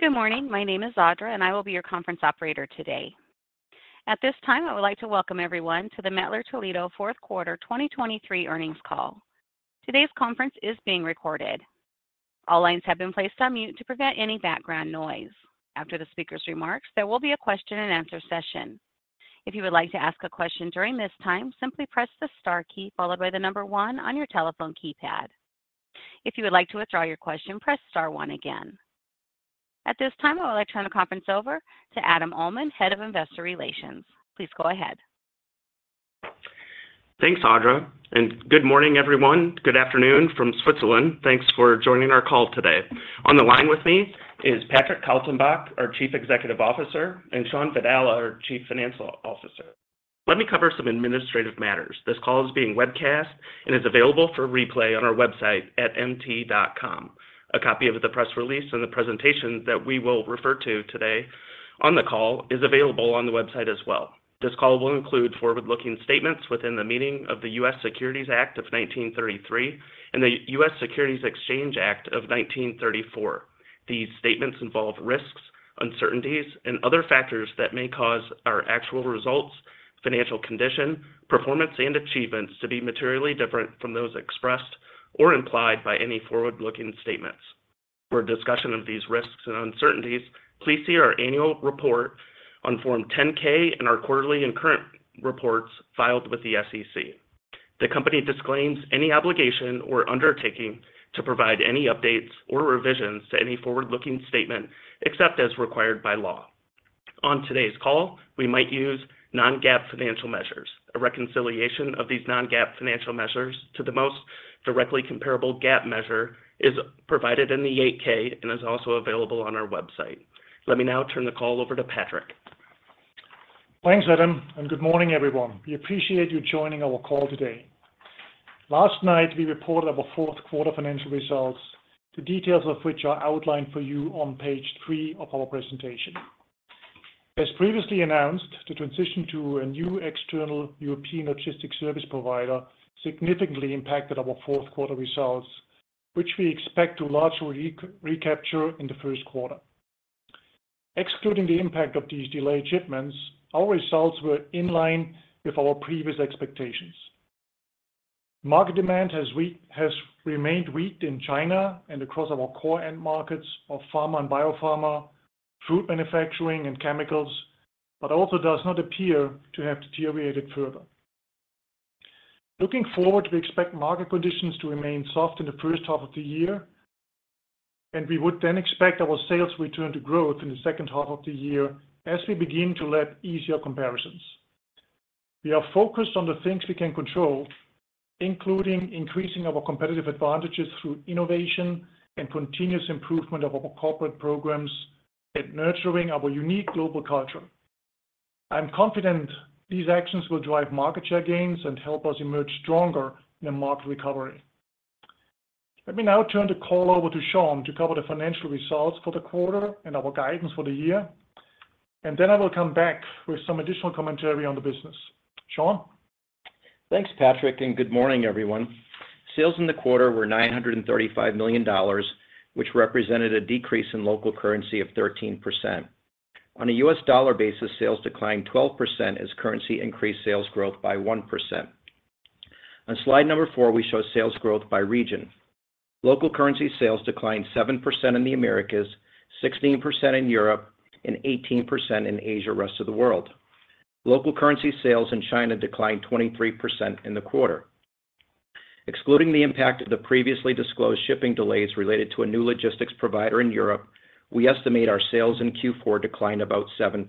Good morning. My name is Audra, and I will be your conference operator today. At this time, I would like to welcome everyone to the Mettler-Toledo fourth quarter 2023 earnings call. Today's conference is being recorded. All lines have been placed on mute to prevent any background noise. After the speaker's remarks, there will be a question-and-answer session. If you would like to ask a question during this time, simply press the star key followed by the number one on your telephone keypad. If you would like to withdraw your question, press star one again. At this time, I would like to turn the conference over to Adam Uhlman, Head of Investor Relations. Please go ahead. Thanks, Audra. Good morning, everyone. Good afternoon from Switzerland. Thanks for joining our call today. On the line with me is Patrick Kaltenbach, our Chief Executive Officer, and Shawn Vadala, our Chief Financial Officer. Let me cover some administrative matters. This call is being webcast and is available for replay on our website at mt.com. A copy of the press release and the presentations that we will refer to today on the call is available on the website as well. This call will include forward-looking statements within the meaning of the U.S. Securities Act of 1933 and the U.S. Securities Exchange Act of 1934. These statements involve risks, uncertainties, and other factors that may cause our actual results, financial condition, performance, and achievements to be materially different from those expressed or implied by any forward-looking statements. For discussion of these risks and uncertainties, please see our annual report on Form 10-K and our quarterly and current reports filed with the SEC. The company disclaims any obligation or undertaking to provide any updates or revisions to any forward-looking statement except as required by law. On today's call, we might use non-GAAP financial measures. A reconciliation of these non-GAAP financial measures to the most directly comparable GAAP measure is provided in the 8-K and is also available on our website. Let me now turn the call over to Patrick. Thanks, Adam, and good morning, everyone. We appreciate you joining our call today. Last night, we reported our fourth quarter financial results, the details of which are outlined for you on page three of our presentation. As previously announced, the transition to a new external European logistics service provider significantly impacted our fourth quarter results, which we expect to largely recapture in the first quarter. Excluding the impact of these delayed shipments, our results were in line with our previous expectations. Market demand has remained weak in China and across our core end markets of pharma and biopharma, food manufacturing, and chemicals, but also does not appear to have deteriorated further. Looking forward, we expect market conditions to remain soft in the first half of the year, and we would then expect our sales return to growth in the second half of the year as we begin to let easier comparisons. We are focused on the things we can control, including increasing our competitive advantages through innovation and continuous improvement of our corporate programs and nurturing our unique global culture. I'm confident these actions will drive market share gains and help us emerge stronger in a market recovery. Let me now turn the call over to Shawn to cover the financial results for the quarter and our guidance for the year, and then I will come back with some additional commentary on the business. Shawn? Thanks, Patrick, and good morning, everyone. Sales in the quarter were $935 million, which represented a decrease in local currency of 13%. On a U.S. dollar basis, sales declined 12% as currency increased sales growth by 1%. On slide number four, we show sales growth by region. Local currency sales declined 7% in the Americas, 16% in Europe, and 18% in Asia/rest of the world. Local currency sales in China declined 23% in the quarter. Excluding the impact of the previously disclosed shipping delays related to a new logistics provider in Europe, we estimate our sales in Q4 declined about 7%,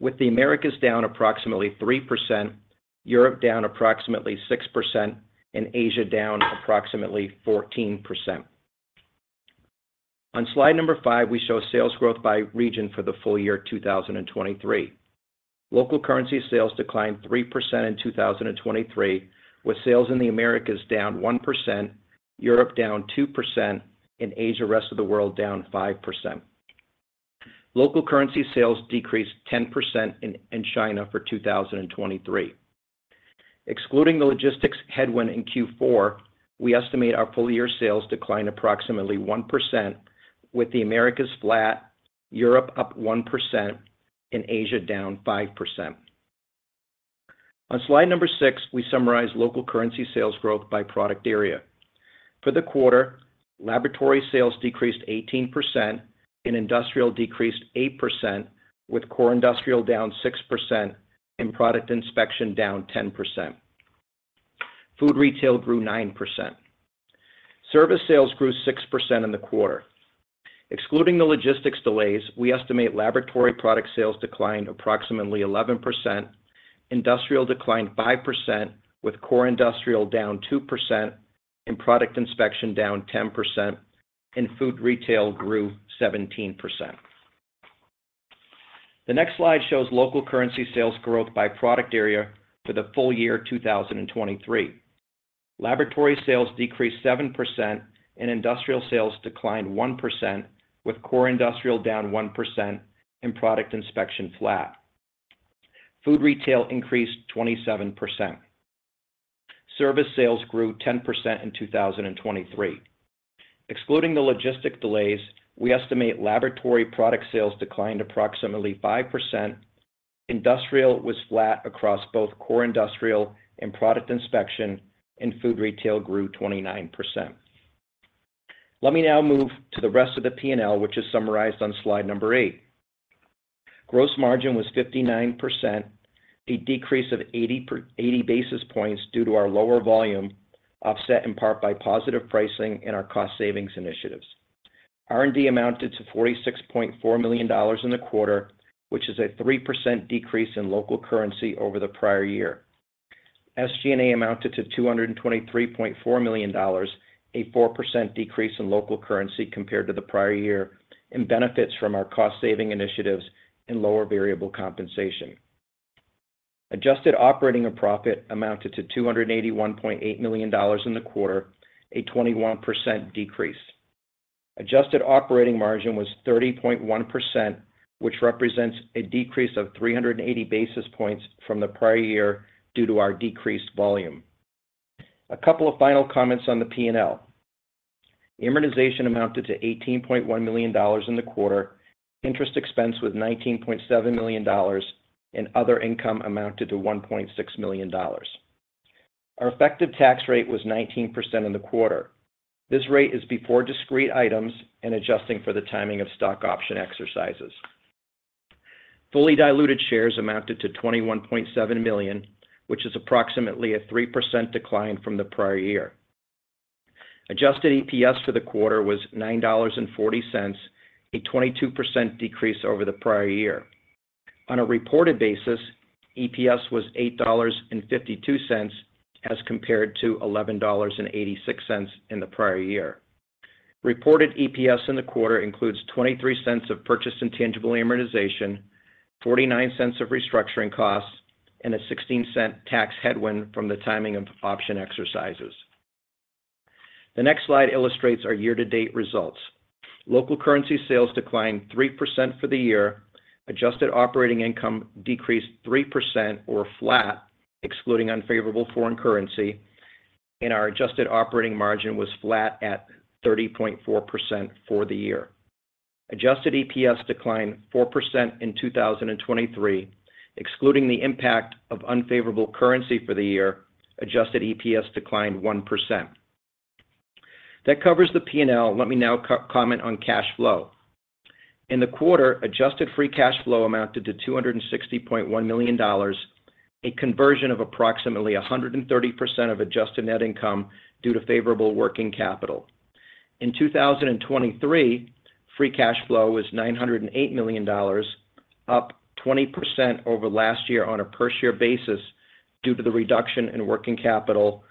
with the Americas down approximately 3%, Europe down approximately 6%, and Asia down approximately 14%. On slide number five, we show sales growth by region for the full year 2023. Local currency sales declined 3% in 2023, with sales in the Americas down 1%, Europe down 2%, and Asia/rest of the world down 5%. Local currency sales decreased 10% in China for 2023. Excluding the logistics headwind in Q4, we estimate our full year sales declined approximately 1%, with the Americas flat, Europe up 1%, and Asia down 5%. On slide number six, we summarize local currency sales growth by product area. For the quarter, laboratory sales decreased 18%, and industrial decreased 8%, with core industrial down 6% and product inspection down 10%. Food retail grew 9%. Service sales grew 6% in the quarter. Excluding the logistics delays, we estimate laboratory product sales declined approximately 11%, industrial declined 5%, with core industrial down 2% and product inspection down 10%, and food retail grew 17%. The next slide shows local currency sales growth by product area for the full year 2023. Laboratory sales decreased 7%, and industrial sales declined 1%, with core industrial down 1% and product inspection flat. Food retail increased 27%. Service sales grew 10% in 2023. Excluding the logistics delays, we estimate laboratory product sales declined approximately 5%, industrial was flat across both core industrial and product inspection, and food retail grew 29%. Let me now move to the rest of the P&L, which is summarized on slide number eight. Gross margin was 59%, a decrease of 80 basis points due to our lower volume, offset in part by positive pricing and our cost savings initiatives. R&D amounted to $46.4 million in the quarter, which is a 3% decrease in local currency over the prior year. SG&A amounted to $223.4 million, a 4% decrease in local currency compared to the prior year, and benefits from our cost saving initiatives and lower variable compensation. Adjusted operating profit amounted to $281.8 million in the quarter, a 21% decrease. Adjusted operating margin was 30.1%, which represents a decrease of 380 basis points from the prior year due to our decreased volume. A couple of final comments on the P&L. Income tax amounted to $18.1 million in the quarter, interest expense was $19.7 million, and other income amounted to $1.6 million. Our effective tax rate was 19% in the quarter. This rate is before discrete items and adjusting for the timing of stock option exercises. Fully diluted shares amounted to 21.7 million, which is approximately a 3% decline from the prior year. Adjusted EPS for the quarter was $9.40, a 22% decrease over the prior year. On a reported basis, EPS was $8.52 as compared to $11.86 in the prior year. Reported EPS in the quarter includes $0.23 of purchased intangible amortization, $0.49 of restructuring costs, and a $0.16 tax headwind from the timing of option exercises. The next slide illustrates our year-to-date results. Local currency sales declined 3% for the year, adjusted operating income decreased 3% or flat, excluding unfavorable foreign currency, and our adjusted operating margin was flat at 30.4% for the year. Adjusted EPS declined 4% in 2023. Excluding the impact of unfavorable currency for the year, adjusted EPS declined 1%. That covers the P&L. Let me now comment on cash flow. In the quarter, adjusted free cash flow amounted to $260.1 million, a conversion of approximately 130% of adjusted net income due to favorable working capital. In 2023, free cash flow was $908 million, up 20% over last year on a per-share basis due to the reduction in working capital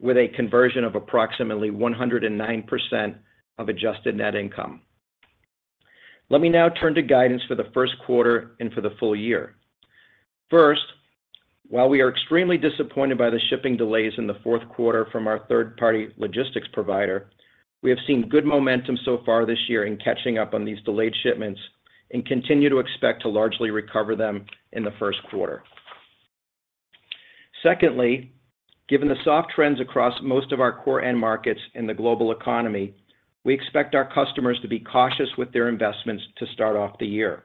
with a conversion of approximately 109% of adjusted net income. Let me now turn to guidance for the first quarter and for the full year. First, while we are extremely disappointed by the shipping delays in the fourth quarter from our third-party logistics provider, we have seen good momentum so far this year in catching up on these delayed shipments and continue to expect to largely recover them in the first quarter. Secondly, given the soft trends across most of our core end markets in the global economy, we expect our customers to be cautious with their investments to start off the year.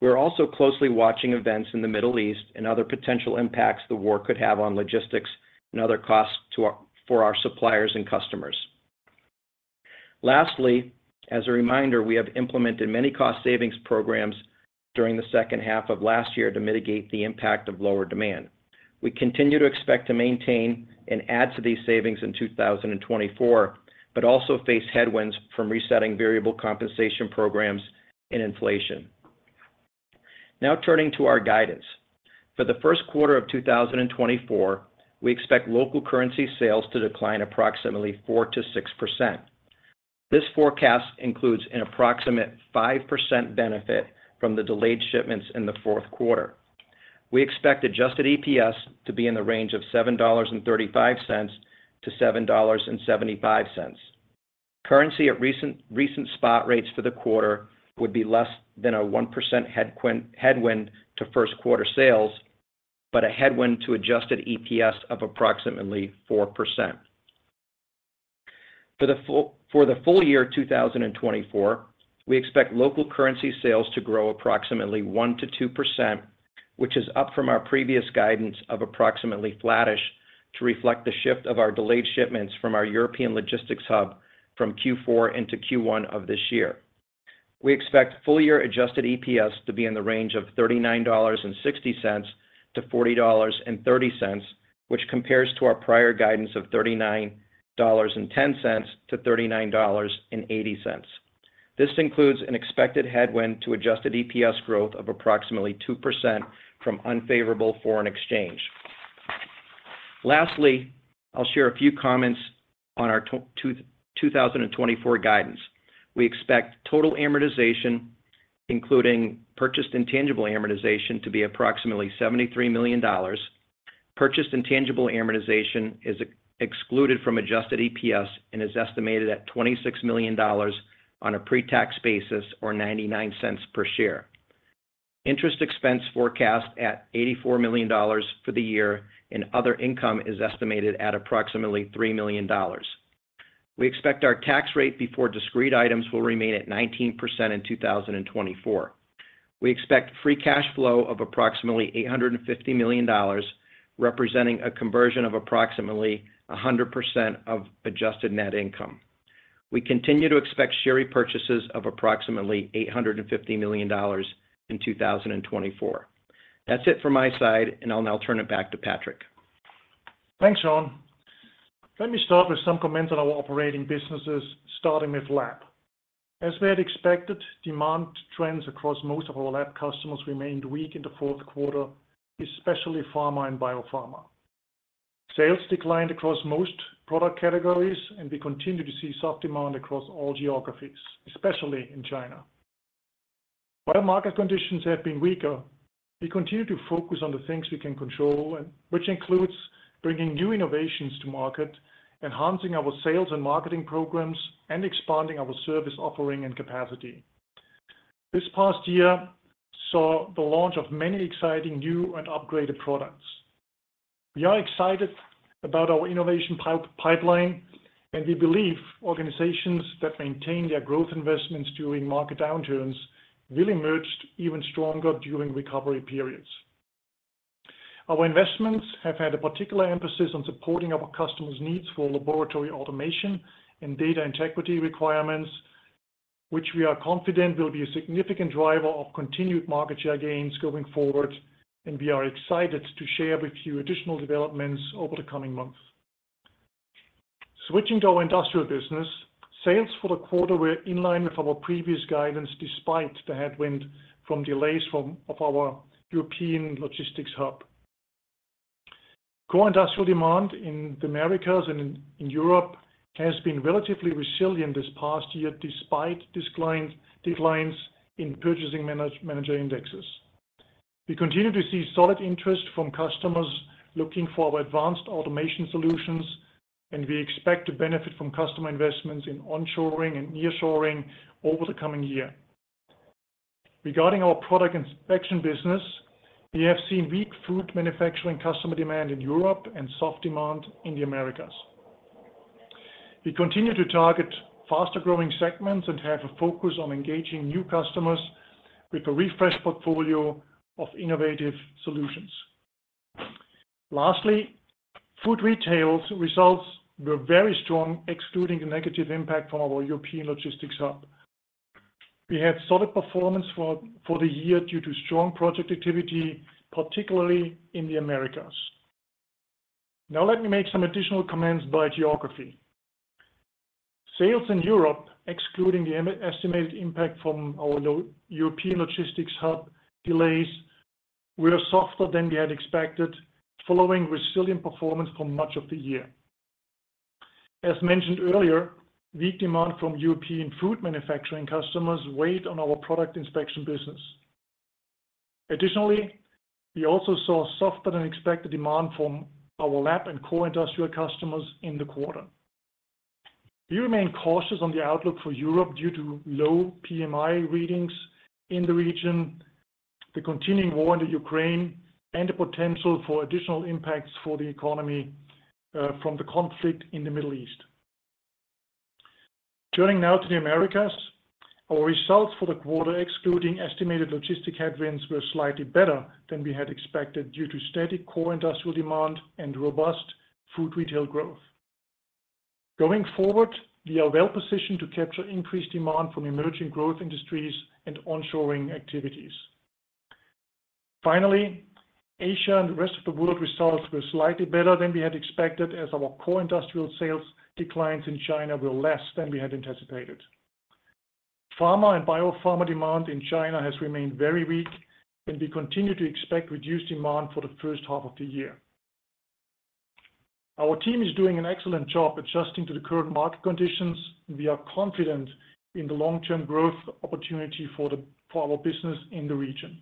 We are also closely watching events in the Middle East and other potential impacts the war could have on logistics and other costs for our suppliers and customers. Lastly, as a reminder, we have implemented many cost savings programs during the second half of last year to mitigate the impact of lower demand. We continue to expect to maintain and add to these savings in 2024, but also face headwinds from resetting variable compensation programs and inflation. Now turning to our guidance. For the first quarter of 2024, we expect local currency sales to decline approximately 4%-6%. This forecast includes an approximate 5% benefit from the delayed shipments in the fourth quarter. We expect adjusted EPS to be in the range of $7.35-$7.75. Currency at recent spot rates for the quarter would be less than 1% headwind to first quarter sales, but a headwind to adjusted EPS of approximately 4%. For the full year 2024, we expect local currency sales to grow approximately 1%-2%, which is up from our previous guidance of approximately flattish to reflect the shift of our delayed shipments from our European logistics hub from Q4 into Q1 of this year. We expect full-year adjusted EPS to be in the range of $39.60-$40.30, which compares to our prior guidance of $39.10-$39.80. This includes an expected headwind to adjusted EPS growth of approximately 2% from unfavorable foreign exchange. Lastly, I'll share a few comments on our 2024 guidance. We expect total amortization, including purchased intangible amortization, to be approximately $73 million. Purchased intangible amortization is excluded from adjusted EPS and is estimated at $26 million on a pre-tax basis or $0.99 per share. Interest expense forecast at $84 million for the year and other income is estimated at approximately $3 million. We expect our tax rate before discrete items will remain at 19% in 2024. We expect free cash flow of approximately $850 million, representing a conversion of approximately 100% of adjusted net income. We continue to expect share repurchases of approximately $850 million in 2024. That's it from my side, and I'll now turn it back to Patrick. Thanks, Shawn. Let me start with some comments on our operating businesses, starting with lab. As we had expected, demand trends across most of our lab customers remained weak in the fourth quarter, especially pharma and biopharma. Sales declined across most product categories, and we continue to see soft demand across all geographies, especially in China. While market conditions have been weaker, we continue to focus on the things we can control, which includes bringing new innovations to market, enhancing our sales and marketing programs, and expanding our service offering and capacity. This past year saw the launch of many exciting new and upgraded products. We are excited about our innovation pipeline, and we believe organizations that maintain their growth investments during market downturns will emerge even stronger during recovery periods. Our investments have had a particular emphasis on supporting our customers' needs for laboratory automation and data integrity requirements, which we are confident will be a significant driver of continued market share gains going forward, and we are excited to share with you additional developments over the coming months. Switching to our Industrial business, sales for the quarter were in line with our previous guidance despite the headwind from delays of our European logistics hub. Core industrial demand in the Americas and in Europe has been relatively resilient this past year despite declines in purchasing managers' indexes. We continue to see solid interest from customers looking for our advanced automation solutions, and we expect to benefit from customer investments in onshoring and nearshoring over the coming year. Regarding our Product Inspection business, we have seen weak food manufacturing customer demand in Europe and soft demand in the Americas. We continue to target faster-growing segments and have a focus on engaging new customers with a refreshed portfolio of innovative solutions. Lastly, Food Retail results were very strong, excluding the negative impact from our European logistics hub. We had solid performance for the year due to strong project activity, particularly in the Americas. Now let me make some additional comments by geography. Sales in Europe, excluding the estimated impact from our European logistics hub delays, were softer than we had expected, following resilient performance for much of the year. As mentioned earlier, weak demand from European food manufacturing customers weighed on our Product Inspection business. Additionally, we also saw softer-than-expected demand from our lab and core industrial customers in the quarter. We remain cautious on the outlook for Europe due to low PMI readings in the region, the continuing war in Ukraine, and the potential for additional impacts for the economy from the conflict in the Middle East. Turning now to the Americas, our results for the quarter, excluding estimated logistic headwinds, were slightly better than we had expected due to steady core industrial demand and robust food retail growth. Going forward, we are well positioned to capture increased demand from emerging growth industries and onshoring activities. Finally, Asia and the rest of the world results were slightly better than we had expected, as our core industrial sales declines in China were less than we had anticipated. Pharma and biopharma demand in China has remained very weak, and we continue to expect reduced demand for the first half of the year. Our team is doing an excellent job adjusting to the current market conditions, and we are confident in the long-term growth opportunity for our business in the region.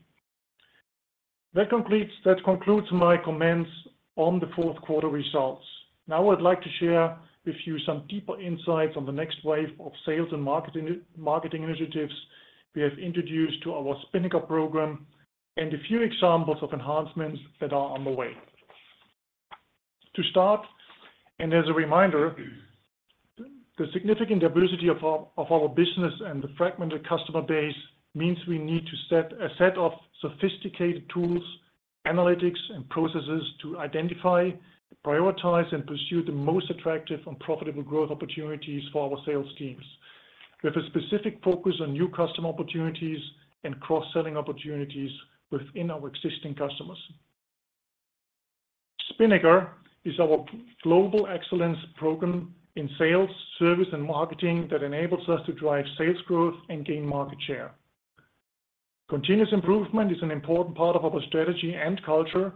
That concludes my comments on the fourth quarter results. Now I'd like to share with you some deeper insights on the next wave of sales and marketing initiatives we have introduced to our Spinnaker program and a few examples of enhancements that are on the way. To start, and as a reminder, the significant diversity of our business and the fragmented customer base means we need to set of sophisticated tools, analytics, and processes to identify, prioritize, and pursue the most attractive and profitable growth opportunities for our sales teams, with a specific focus on new customer opportunities and cross-selling opportunities within our existing customers. Spinnaker is our global excellence program in sales, service, and marketing that enables us to drive sales growth and gain market share. Continuous improvement is an important part of our strategy and culture,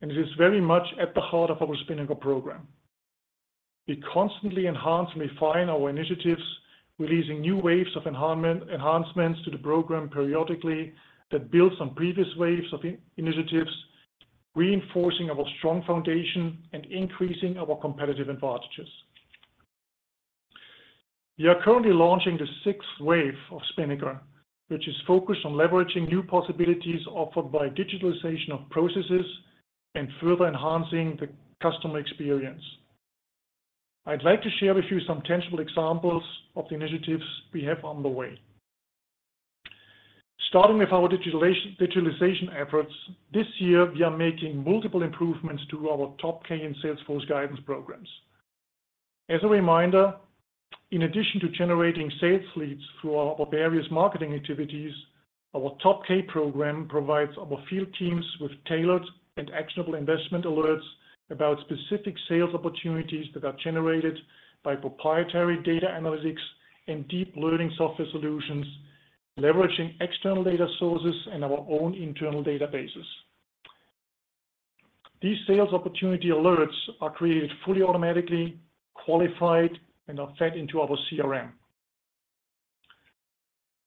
and it is very much at the heart of our Spinnaker program. We constantly enhance and refine our initiatives, releasing new waves of enhancements to the program periodically that build on previous waves of initiatives, reinforcing our strong foundation and increasing our competitive advantages. We are currently launching the sixth wave of Spinnaker, which is focused on leveraging new possibilities offered by digitalization of processes and further enhancing the customer experience. I'd like to share with you some tangible examples of the initiatives we have on the way. Starting with our digitalization efforts, this year we are making multiple improvements to our Top K in Salesforce guidance programs. As a reminder, in addition to generating sales leads through our various marketing activities, our Top K program provides our field teams with tailored and actionable investment alerts about specific sales opportunities that are generated by proprietary data analytics and deep learning software solutions, leveraging external data sources and our own internal databases. These sales opportunity alerts are created fully automatically, qualified, and are fed into our CRM.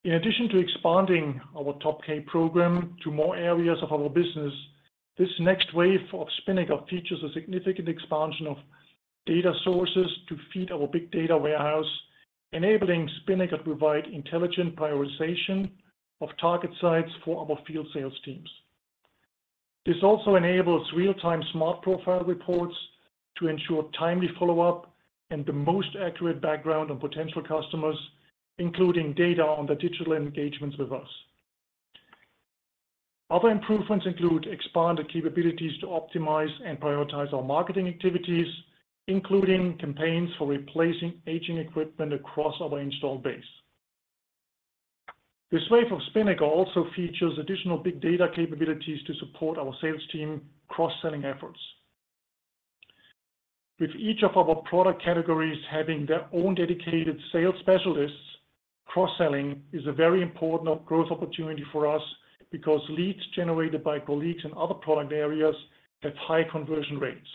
In addition to expanding our Top K program to more areas of our business, this next wave of Spinnaker features a significant expansion of data sources to feed our big data warehouse, enabling Spinnaker to provide intelligent prioritization of target sites for our field sales teams. This also enables real-time smart profile reports to ensure timely follow-up and the most accurate background on potential customers, including data on their digital engagements with us. Other improvements include expanded capabilities to optimize and prioritize our marketing activities, including campaigns for replacing aging equipment across our installed base. This wave of Spinnaker also features additional big data capabilities to support our sales team cross-selling efforts. With each of our product categories having their own dedicated sales specialists, cross-selling is a very important growth opportunity for us because leads generated by colleagues in other product areas have high conversion rates.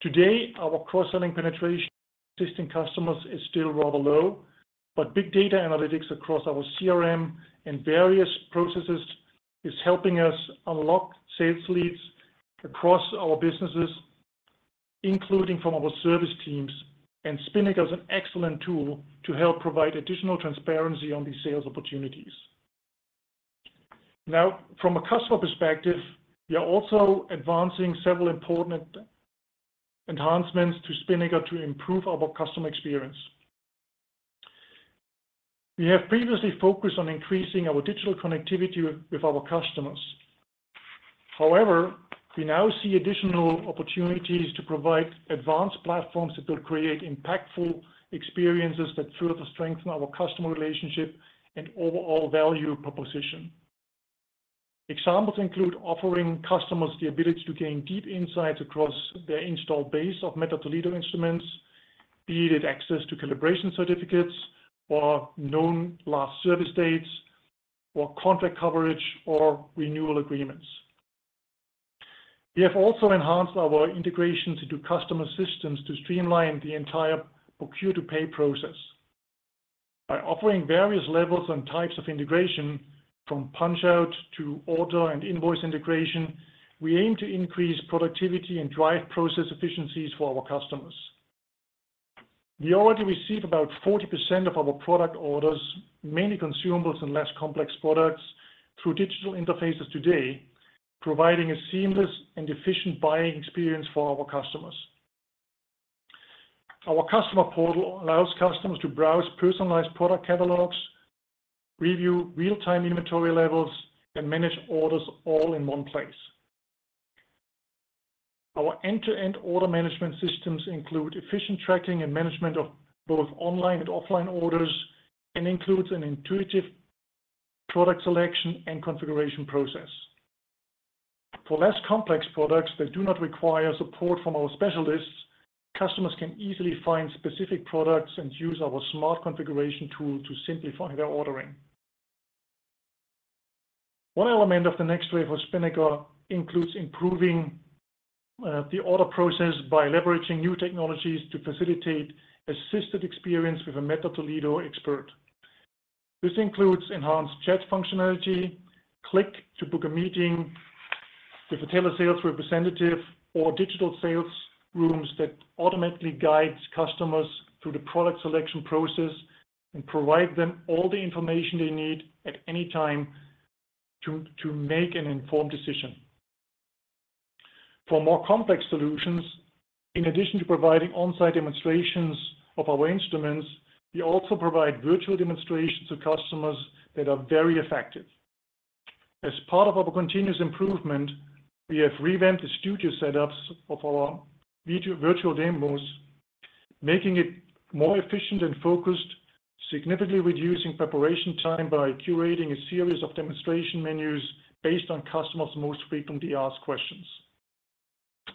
Today, our cross-selling penetration to existing customers is still rather low, but big data analytics across our CRM and various processes are helping us unlock sales leads across our businesses, including from our service teams, and Spinnaker is an excellent tool to help provide additional transparency on these sales opportunities. Now, from a customer perspective, we are also advancing several important enhancements to Spinnaker to improve our customer experience. We have previously focused on increasing our digital connectivity with our customers. However, we now see additional opportunities to provide advanced platforms that will create impactful experiences that further strengthen our customer relationship and overall value proposition. Examples include offering customers the ability to gain deep insights across their installed base of METTLER TOLEDO instruments, be it access to calibration certificates or known last service dates or contract coverage or renewal agreements. We have also enhanced our integration to our customer systems to streamline the entire procure-to-pay process. By offering various levels and types of integration, from punch-out to order and invoice integration, we aim to increase productivity and drive process efficiencies for our customers. We already receive about 40% of our product orders, mainly consumables and less complex products, through digital interfaces today, providing a seamless and efficient buying experience for our customers. Our customer portal allows customers to browse personalized product catalogs, review real-time inventory levels, and manage orders all in one place. Our end-to-end order management systems include efficient tracking and management of both online and offline orders and include an intuitive product selection and configuration process. For less complex products that do not require support from our specialists, customers can easily find specific products and use our smart configuration tool to simplify their ordering. One element of the next wave of Spinnaker includes improving the order process by leveraging new technologies to facilitate assisted experience with a METTLER TOLEDO expert. This includes enhanced chat functionality, click to book a meeting with a METTLER TOLEDO sales representative, or digital sales rooms that automatically guide customers through the product selection process and provide them all the information they need at any time to make an informed decision. For more complex solutions, in addition to providing on-site demonstrations of our instruments, we also provide virtual demonstrations to customers that are very effective. As part of our continuous improvement, we have revamped the studio setups of our virtual demos, making it more efficient and focused, significantly reducing preparation time by curating a series of demonstration menus based on customers' most frequently asked questions.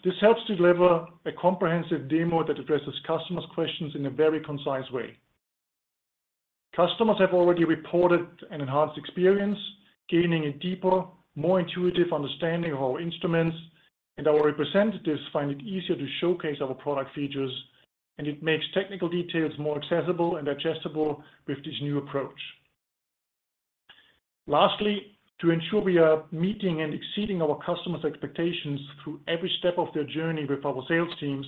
This helps to deliver a comprehensive demo that addresses customers' questions in a very concise way. Customers have already reported an enhanced experience, gaining a deeper, more intuitive understanding of our instruments, and our representatives find it easier to showcase our product features, and it makes technical details more accessible and adjustable with this new approach. Lastly, to ensure we are meeting and exceeding our customers' expectations through every step of their journey with our sales teams,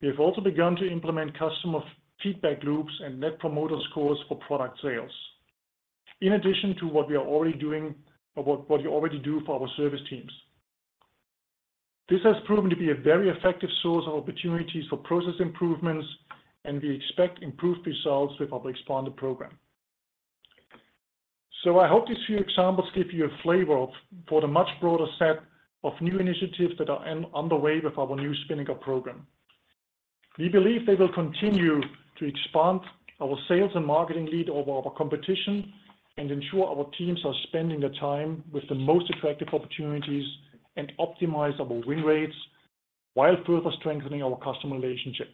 we have also begun to implement customer feedback loops and Net Promoter Scores for product sales, in addition to what we are already doing or what you already do for our service teams. This has proven to be a very effective source of opportunities for process improvements, and we expect improved results with our expanded program. So I hope these few examples give you a flavor for the much broader set of new initiatives that are on the way with our new Spinnaker program. We believe they will continue to expand our sales and marketing lead over our competition and ensure our teams are spending their time with the most attractive opportunities and optimize our win rates while further strengthening our customer relationship.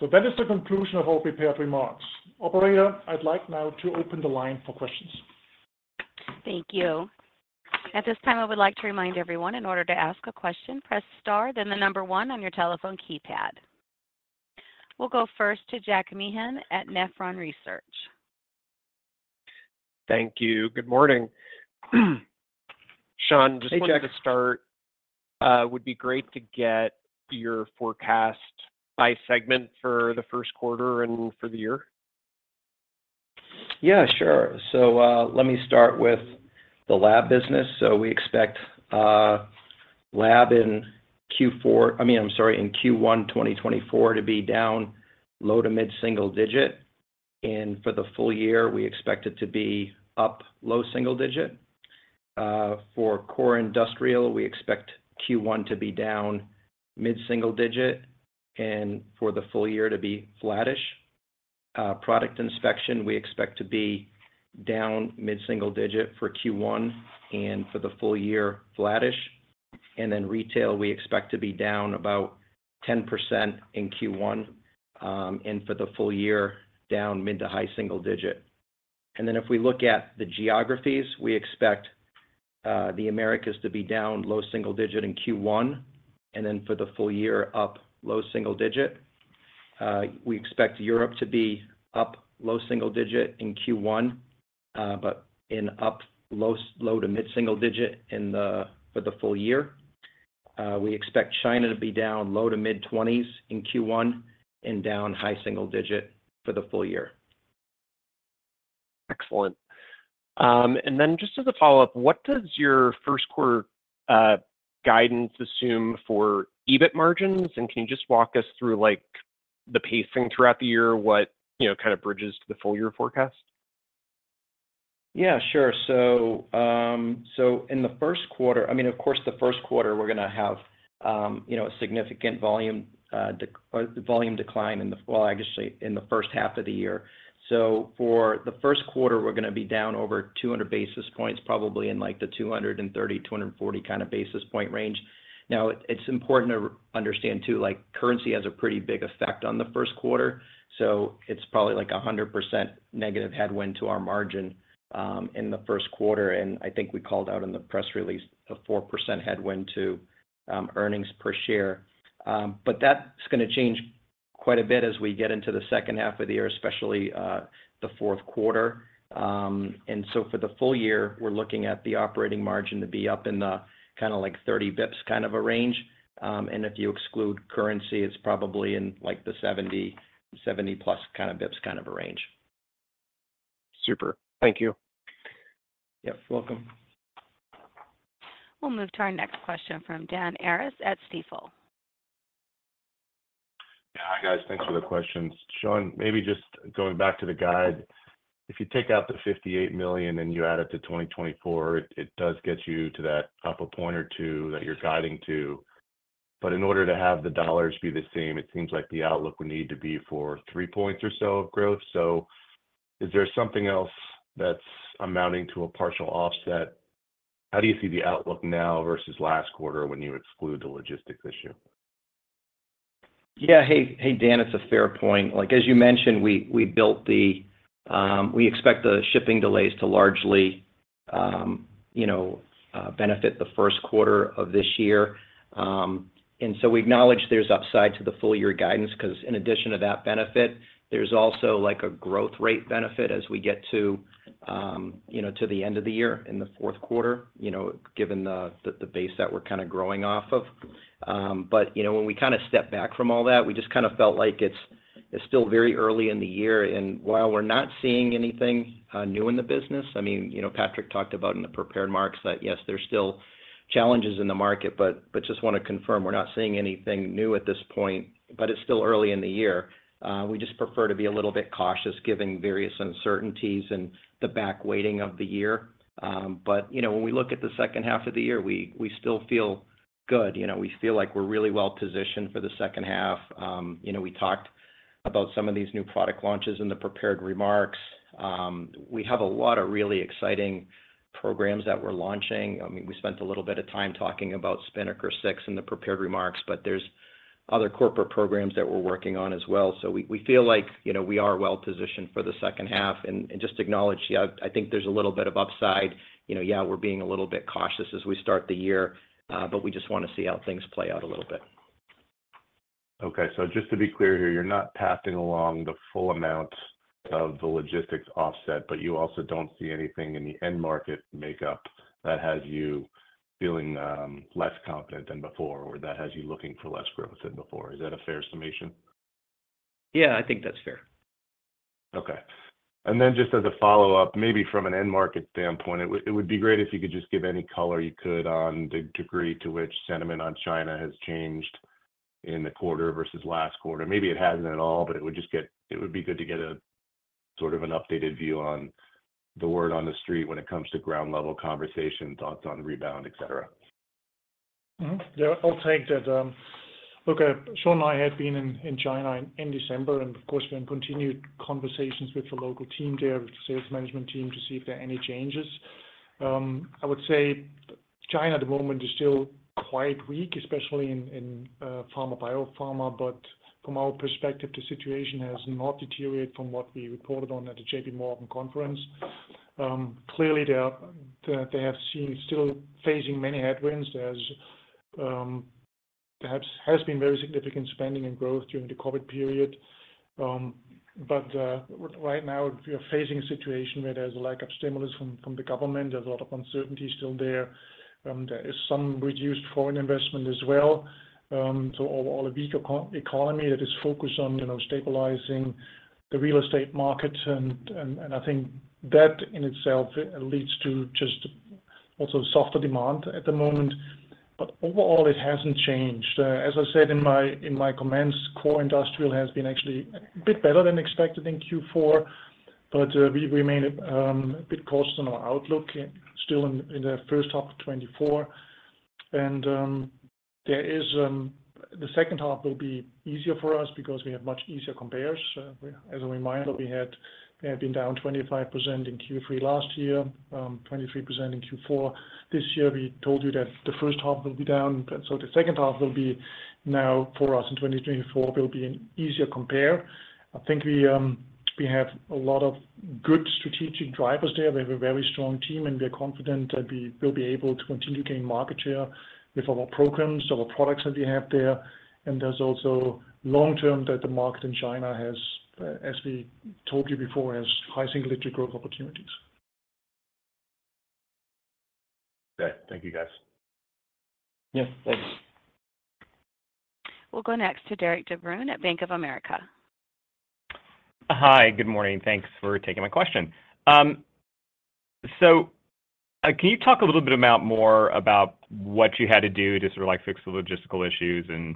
That is the conclusion of our prepared remarks. Operator, I'd like now to open the line for questions. Thank you. At this time, I would like to remind everyone, in order to ask a question, press star, then the number one on your telephone keypad. We'll go first to Jack Meehan at Nephron Research. Thank you. Good morning. Shawn, just wanted to start. Hey, Jack. Would be great to get your forecast by segment for the first quarter and for the year? Yeah, sure. So let me start with the lab business. So we expect lab in Q4, I mean, I'm sorry, in Q1 2024 to be down low- to mid-single-digit %, and for the full year, we expect it to be up low-single-digit %. For core industrial, we expect Q1 to be down mid-single-digit % and for the full year to be flattish. Product Inspection, we expect to be down mid-single-digit % for Q1 and for the full year, flattish. And then retail, we expect to be down about 10% in Q1 and for the full year, down mid- to high-single-digit %. And then if we look at the geographies, we expect the Americas to be down low-single-digit % in Q1 and then for the full year, up low-single-digit %. We expect Europe to be up low single-digit in Q1 but in up low- to mid-single-digit for the full year. We expect China to be down low- to mid-20s in Q1 and down high single-digit for the full year. Excellent. And then just as a follow-up, what does your first quarter guidance assume for EBIT margins? And can you just walk us through the pacing throughout the year, what kind of bridges to the full year forecast? Yeah, sure. So in the first quarter, I mean, of course, the first quarter, we're going to have a significant volume decline in the well, actually, in the first half of the year. So for the first quarter, we're going to be down over 200 basis points, probably in the 230-240 kind of basis point range. Now, it's important to understand, too, currency has a pretty big effect on the first quarter. So it's probably like 100% negative headwind to our margin in the first quarter, and I think we called out in the press release a 4% headwind to earnings per share. But that's going to change quite a bit as we get into the second half of the year, especially the fourth quarter. For the full year, we're looking at the operating margin to be up in the kind of like 30 basis points kind of a range. If you exclude currency, it's probably in the 70+ kind of basis points kind of a range. Super. Thank you. Yep, welcome. We'll move to our next question from Dan Arias at Stifel. Yeah, hi guys. Thanks for the questions. Shawn, maybe just going back to the guide, if you take out the $58 million and you add it to 2024, it does get you to that upper one point or two that you're guiding to. But in order to have the dollars be the same, it seems like the outlook would need to be for three points or so of growth. So is there something else that's amounting to a partial offset? How do you see the outlook now versus last quarter when you exclude the logistics issue? Yeah, hey Dan, it's a fair point. As you mentioned, we expect the shipping delays to largely benefit the first quarter of this year. And so we acknowledge there's upside to the full year guidance because in addition to that benefit, there's also a growth rate benefit as we get to the end of the year in the fourth quarter, given the base that we're kind of growing off of. But when we kind of stepped back from all that, we just kind of felt like it's still very early in the year. And while we're not seeing anything new in the business, I mean, Patrick talked about in the prepared remarks that, yes, there's still challenges in the market, but just want to confirm, we're not seeing anything new at this point, but it's still early in the year. We just prefer to be a little bit cautious given various uncertainties and the back half of the year. But when we look at the second half of the year, we still feel good. We feel like we're really well positioned for the second half. We talked about some of these new product launches in the prepared remarks. We have a lot of really exciting programs that we're launching. I mean, we spent a little bit of time talking about Spinnaker 6 in the prepared remarks, but there's other corporate programs that we're working on as well. So we feel like we are well positioned for the second half. And just to acknowledge, yeah, I think there's a little bit of upside. Yeah, we're being a little bit cautious as we start the year, but we just want to see how things play out a little bit. Okay. So just to be clear here, you're not passing along the full amount of the logistics offset, but you also don't see anything in the end market makeup that has you feeling less confident than before or that has you looking for less growth than before. Is that a fair summation? Yeah, I think that's fair. Okay. And then just as a follow-up, maybe from an end market standpoint, it would be great if you could just give any color you could on the degree to which sentiment on China has changed in the quarter versus last quarter. Maybe it hasn't at all, but it would be good to get sort of an updated view on the word on the street when it comes to ground-level conversation, thoughts on rebound, etc. Yeah, I'll take that. Okay. Shawn and I had been in China in December, and of course, we're in continued conversations with the local team there, with the sales management team, to see if there are any changes. I would say China at the moment is still quite weak, especially in pharma/biopharma. But from our perspective, the situation has not deteriorated from what we reported on at the JPMorgan conference. Clearly, they have still facing many headwinds. There perhaps has been very significant spending and growth during the COVID period. But right now, we are facing a situation where there's a lack of stimulus from the government. There's a lot of uncertainty still there. There is some reduced foreign investment as well. So all a weaker economy that is focused on stabilizing the real estate market. I think that in itself leads to just also softer demand at the moment. But overall, it hasn't changed. As I said in my comments, core industrial has been actually a bit better than expected in Q4, but we remain a bit cautious on our outlook, still in the first half of 2024. The second half will be easier for us because we have much easier compares. As a reminder, we had been down 25% in Q3 last year, 23% in Q4. This year, we told you that the first half will be down. So the second half will be now for us in 2024 will be an easier compare. I think we have a lot of good strategic drivers there. We have a very strong team, and we are confident that we will be able to continue gaining market share with our programs, our products that we have there. There's also long-term that the market in China has, as we told you before, has high single-digit growth opportunities. Okay. Thank you, guys. Yes, thanks. We'll go next to Derik De Bruin at Bank of America. Hi. Good morning. Thanks for taking my question. So can you talk a little bit more about what you had to do to sort of fix the logistical issues and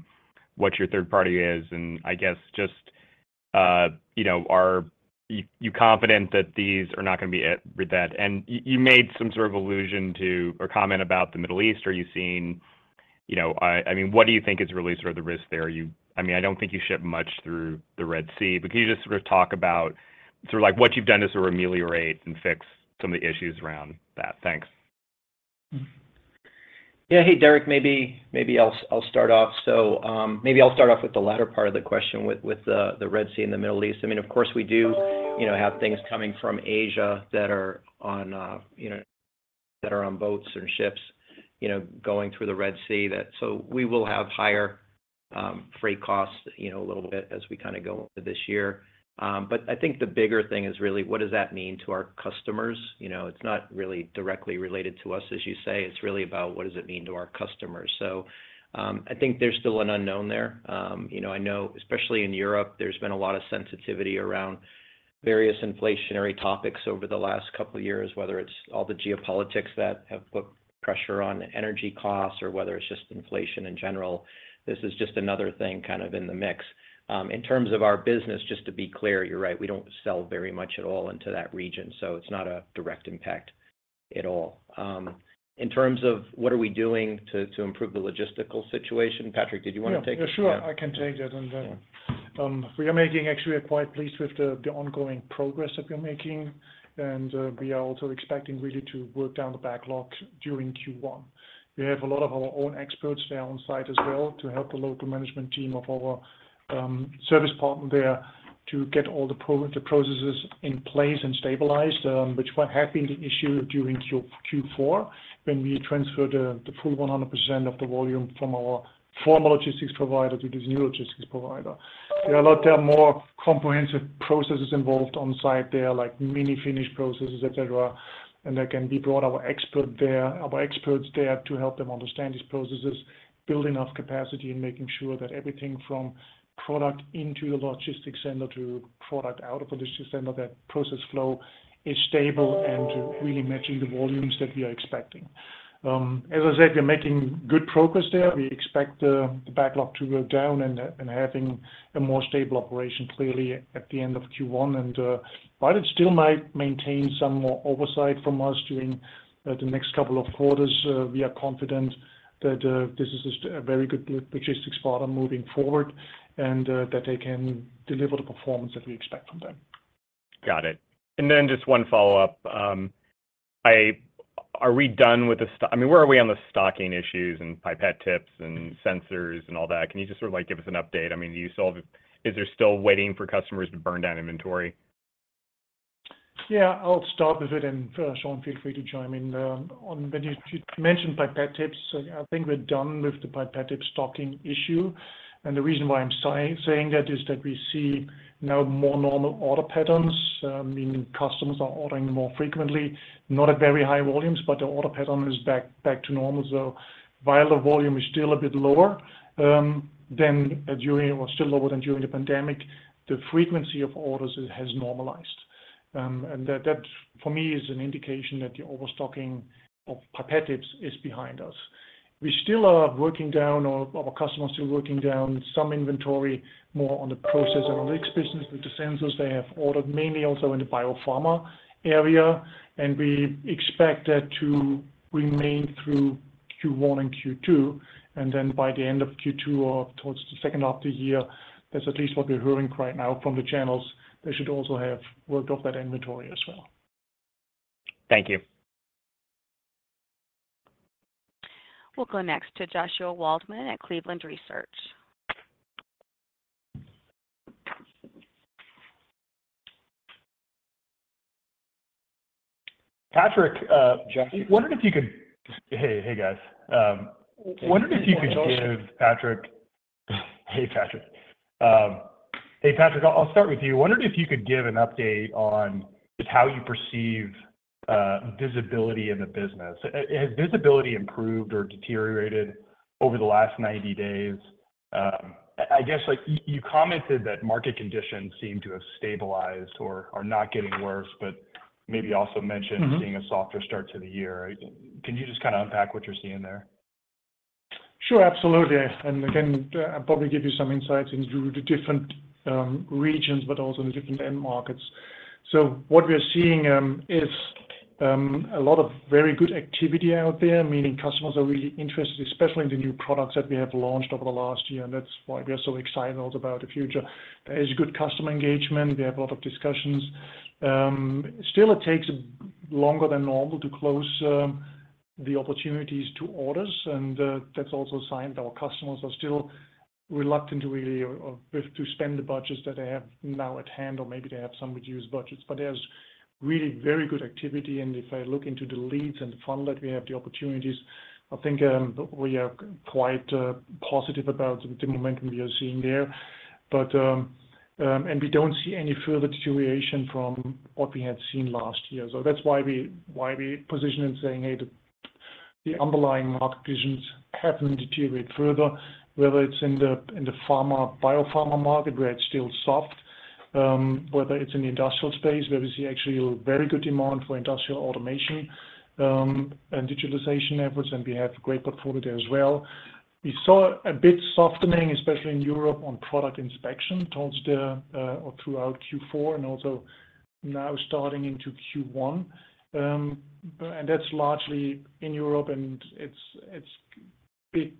what your third party is? And I guess just are you confident that these are not going to be a repeat? And you made some sort of allusion to or comment about the Middle East. Are you seeing—I mean, what do you think is really sort of the risk there? I mean, I don't think you ship much through the Red Sea, but can you just sort of talk about sort of what you've done to sort of ameliorate and fix some of the issues around that? Thanks. Yeah. Hey, Derek, maybe I'll start off. So maybe I'll start off with the latter part of the question with the Red Sea and the Middle East. I mean, of course, we do have things coming from Asia that are on boats and ships going through the Red Sea. So we will have higher freight costs a little bit as we kind of go into this year. But I think the bigger thing is really, what does that mean to our customers? It's not really directly related to us, as you say. It's really about, what does it mean to our customers? So I think there's still an unknown there. I know, especially in Europe, there's been a lot of sensitivity around various inflationary topics over the last couple of years, whether it's all the geopolitics that have put pressure on energy costs or whether it's just inflation in general. This is just another thing kind of in the mix. In terms of our business, just to be clear, you're right, we don't sell very much at all into that region, so it's not a direct impact at all. In terms of what are we doing to improve the logistical situation, Patrick, did you want to take that? Yeah, sure. I can take that. And we are making actually quite pleased with the ongoing progress that we are making, and we are also expecting really to work down the backlog during Q1. We have a lot of our own experts there on site as well to help the local management team of our service partner there to get all the processes in place and stabilized, which had been the issue during Q4 when we transferred the full 100% of the volume from our former logistics provider to this new logistics provider. There are a lot more comprehensive processes involved on site there, like mini-finish processes, etc. And there can be brought our experts there to help them understand these processes, build enough capacity, and making sure that everything from product into the logistics center to product out of the logistics center, that process flow is stable and really matching the volumes that we are expecting. As I said, we're making good progress there. We expect the backlog to go down and having a more stable operation, clearly, at the end of Q1. While it still might maintain some more oversight from us during the next couple of quarters, we are confident that this is a very good logistics partner moving forward and that they can deliver the performance that we expect from them. Got it. And then just one follow-up. Are we done with the, I mean, where are we on the stocking issues and pipette tips and sensors and all that? Can you just sort of give us an update? I mean, is there still waiting for customers to burn down inventory? Yeah, I'll stop with it. And Shawn, feel free to jump in. When you mentioned pipette tips, I think we're done with the pipette tip stocking issue. And the reason why I'm saying that is that we see now more normal order patterns. I mean, customers are ordering more frequently, not at very high volumes, but the order pattern is back to normal. So while the volume is still a bit lower than during the pandemic, the frequency of orders has normalized. And that, for me, is an indication that the overstocking of pipette tips is behind us. We still are working down or our customer is still working down some inventory more on the process and on the applications with the sensors they have ordered, mainly also in the biopharma area. And we expect that to remain through Q1 and Q2. And then by the end of Q2 or towards the second half of the year, that's at least what we're hearing right now from the channels. They should also have worked off that inventory as well. Thank you. We'll go next to Joshua Waldman at Cleveland Research. Hey, Patrick. I'll start with you. Wondered if you could give an update on just how you perceive visibility in the business. Has visibility improved or deteriorated over the last 90 days? I guess you commented that market conditions seem to have stabilized or are not getting worse, but maybe also mentioned seeing a softer start to the year. Can you just kind of unpack what you're seeing there? Sure, absolutely. Again, I'll probably give you some insights into the different regions, but also in the different end markets. What we're seeing is a lot of very good activity out there, meaning customers are really interested, especially in the new products that we have launched over the last year. That's why we are so excited about the future. There is good customer engagement. We have a lot of discussions. Still, it takes longer than normal to close the opportunities to orders. That's also a sign that our customers are still reluctant to really spend the budgets that they have now at hand, or maybe they have some reduced budgets. There's really very good activity. If I look into the leads and the fund that we have, the opportunities, I think we are quite positive about the momentum we are seeing there. We don't see any further deterioration from what we had seen last year. So that's why we position and saying, "Hey, the underlying market conditions haven't deteriorated further, whether it's in the biopharma market where it's still soft, whether it's in the industrial space where we see actually very good demand for industrial automation and digitalization efforts, and we have a great portfolio there as well." We saw a bit softening, especially in Europe, on Product Inspection towards the or throughout Q4 and also now starting into Q1. That's largely in Europe. It's big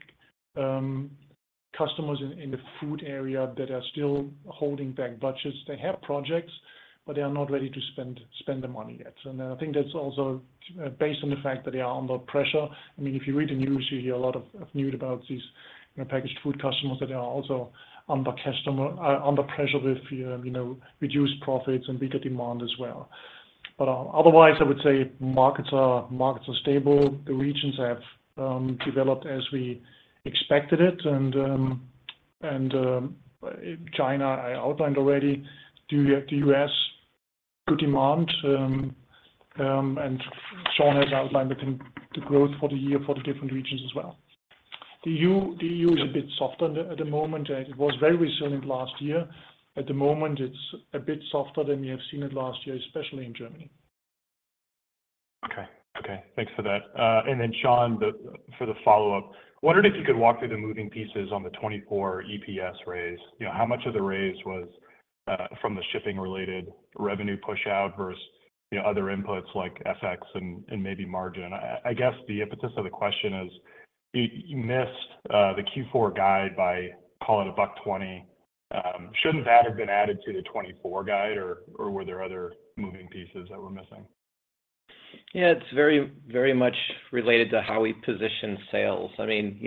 customers in the food area that are still holding back budgets. They have projects, but they are not ready to spend the money yet. And I think that's also based on the fact that they are under pressure. I mean, if you read the news, you hear a lot of news about these packaged food customers that are also under pressure with reduced profits and bigger demand as well. But otherwise, I would say markets are stable. The regions have developed as we expected it. And China, I outlined already, the U.S., good demand. And Shawn has outlined, I think, the growth for the year for the different regions as well. The E.U. is a bit softer at the moment. It was very resilient last year. At the moment, it's a bit softer than we have seen it last year, especially in Germany. Okay. Thanks for that. Then, Shawn, for the follow-up, wondered if you could walk through the moving pieces on the 2024 EPS raise. How much of the raise was from the shipping-related revenue push-out versus other inputs like FX and maybe margin? I guess the impetus of the question is you missed the Q4 guide by, call it, $1.20. Shouldn't that have been added to the 2024 guide, or were there other moving pieces that were missing? Yeah, it's very much related to how we position sales. I mean,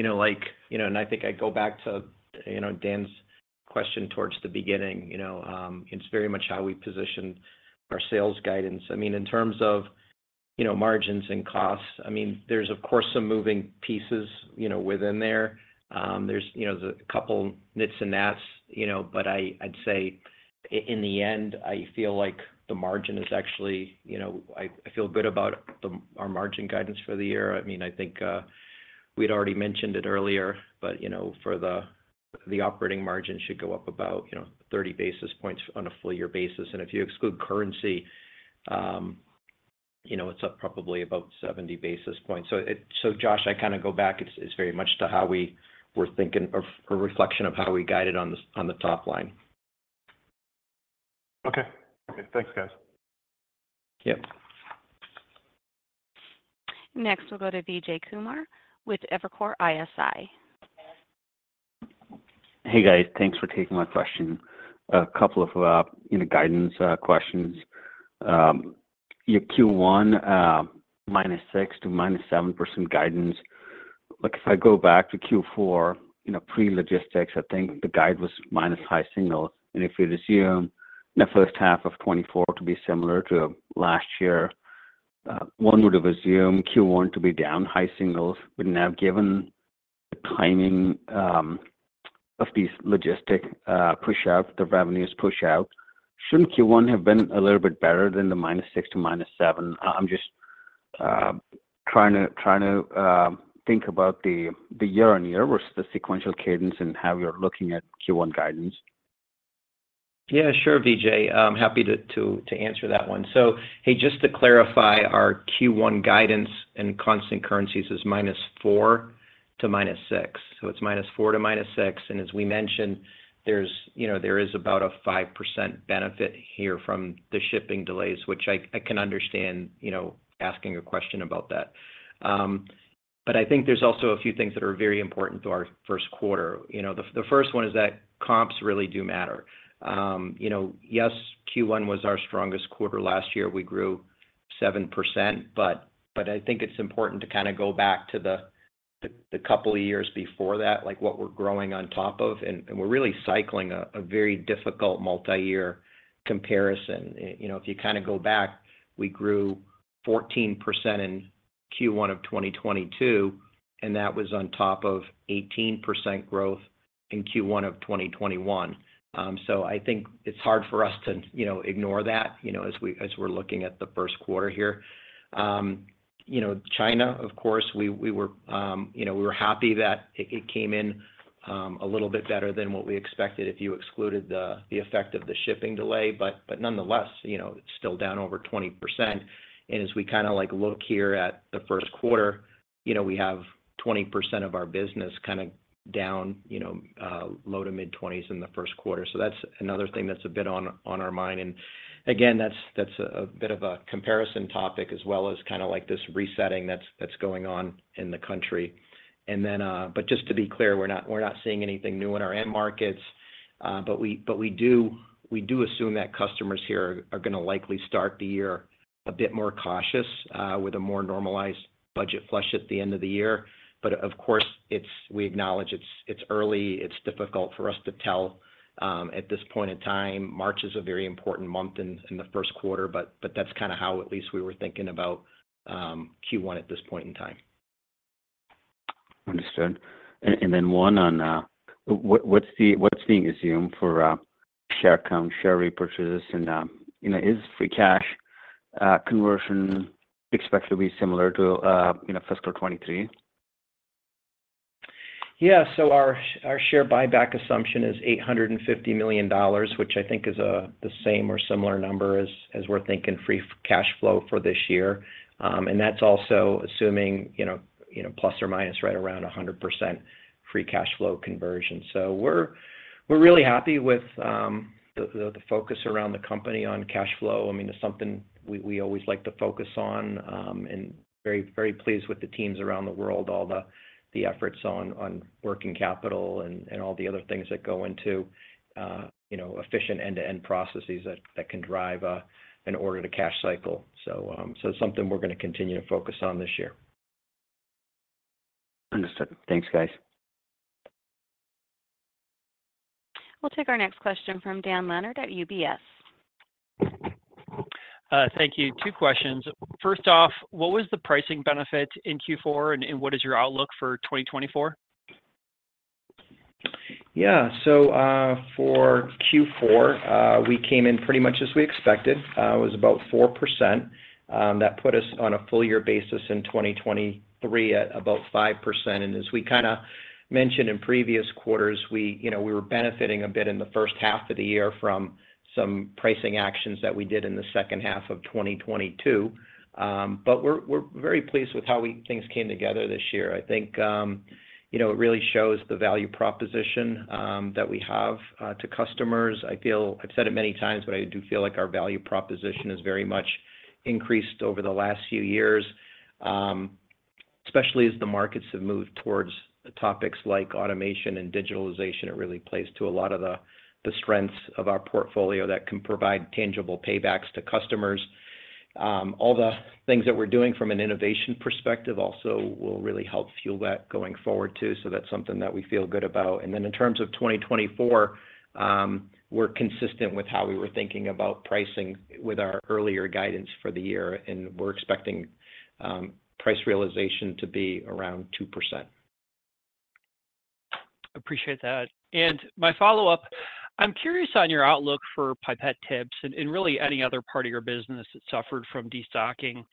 and I think I go back to Dan's question towards the beginning. It's very much how we position our sales guidance. I mean, in terms of margins and costs, I mean, there's, of course, some moving pieces within there. There's a couple nits and nats. But I'd say, in the end, I feel like the margin is actually I feel good about our margin guidance for the year. I mean, I think we'd already mentioned it earlier, but for the operating margin, it should go up about 30 basis points on a full-year basis. And if you exclude currency, it's up probably about 70 basis points. So, Josh, I kind of go back. It's very much to how we were thinking or reflection of how we guided on the top line. Okay. Okay. Thanks, guys. Yep. Next, we'll go to Vijay Kumar with Evercore ISI. Hey, guys. Thanks for taking my question. A couple of guidance questions. Your Q1 -6% to -7% guidance. If I go back to Q4, pre-logistics, I think the guide was minus high single digits. And if we assume the first half of 2024 to be similar to last year, one would have assumed Q1 to be down high single digits. But now, given the timing of these logistic push-outs, the revenues push-out, shouldn't Q1 have been a little bit better than the -6% to -7%? I'm just trying to think about the year-on-year versus the sequential cadence and how you're looking at Q1 guidance. Yeah, sure, Vijay. Happy to answer that one. So, hey, just to clarify, our Q1 guidance in constant currencies is -4% to -6%. So it's -4% to -6%. And as we mentioned, there is about a 5% benefit here from the shipping delays, which I can understand asking a question about that. But I think there's also a few things that are very important to our first quarter. The first one is that comps really do matter. Yes, Q1 was our strongest quarter last year. We grew 7%. But I think it's important to kind of go back to the couple of years before that, what we're growing on top of. And we're really cycling a very difficult multi-year comparison. If you kind of go back, we grew 14% in Q1 of 2022, and that was on top of 18% growth in Q1 of 2021. So I think it's hard for us to ignore that as we're looking at the first quarter here. China, of course, we were happy that it came in a little bit better than what we expected if you excluded the effect of the shipping delay. But nonetheless, it's still down over 20%. And as we kind of look here at the first quarter, we have 20% of our business kind of down, low to mid-20s in the first quarter. So that's another thing that's a bit on our mind. And again, that's a bit of a comparison topic as well as kind of this resetting that's going on in the country. But just to be clear, we're not seeing anything new in our end markets. But we do assume that customers here are going to likely start the year a bit more cautious with a more normalized budget flush at the end of the year. But of course, we acknowledge it's early. It's difficult for us to tell at this point in time. March is a very important month in the first quarter, but that's kind of how, at least, we were thinking about Q1 at this point in time. Understood. One on what's being assumed for share account, share repurchases, and is free cash conversion expected to be similar to fiscal 2023? Yeah. So our share buyback assumption is $850 million, which I think is the same or similar number as we're thinking free cash flow for this year. And that's also assuming ± right around 100% free cash flow conversion. So we're really happy with the focus around the company on cash flow. I mean, it's something we always like to focus on and very pleased with the teams around the world, all the efforts on working capital and all the other things that go into efficient end-to-end processes that can drive an order to cash cycle. So it's something we're going to continue to focus on this year. Understood. Thanks, guys. We'll take our next question from Dan Leonard at UBS. Thank you. Two questions. First off, what was the pricing benefit in Q4, and what is your outlook for 2024? Yeah. So for Q4, we came in pretty much as we expected. It was about 4%. That put us on a full-year basis in 2023 at about 5%. And as we kind of mentioned in previous quarters, we were benefiting a bit in the first half of the year from some pricing actions that we did in the second half of 2022. But we're very pleased with how things came together this year. I think it really shows the value proposition that we have to customers. I've said it many times, but I do feel like our value proposition has very much increased over the last few years, especially as the markets have moved towards topics like automation and digitalization. It really plays to a lot of the strengths of our portfolio that can provide tangible paybacks to customers. All the things that we're doing from an innovation perspective also will really help fuel that going forward too. So that's something that we feel good about. Then in terms of 2024, we're consistent with how we were thinking about pricing with our earlier guidance for the year. We're expecting price realization to be around 2%. Appreciate that. My follow-up, I'm curious on your outlook for Pipette Tips and really any other part of your business that suffered from destocking.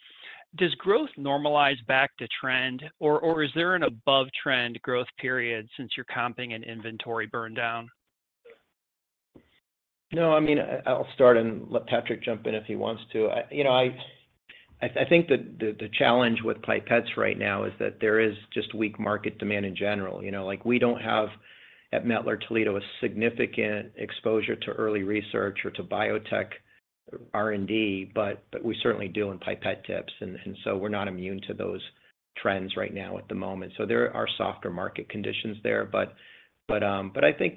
Does growth normalize back to trend, or is there an above-trend growth period since you're comping an inventory burndown? No, I mean, I'll start and let Patrick jump in if he wants to. I think the challenge with Pipettes right now is that there is just weak market demand in general. We don't have at Mettler-Toledo a significant exposure to early research or to biotech R&D, but we certainly do in Pipette Tips. And so we're not immune to those trends right now at the moment. So there are softer market conditions there. But I think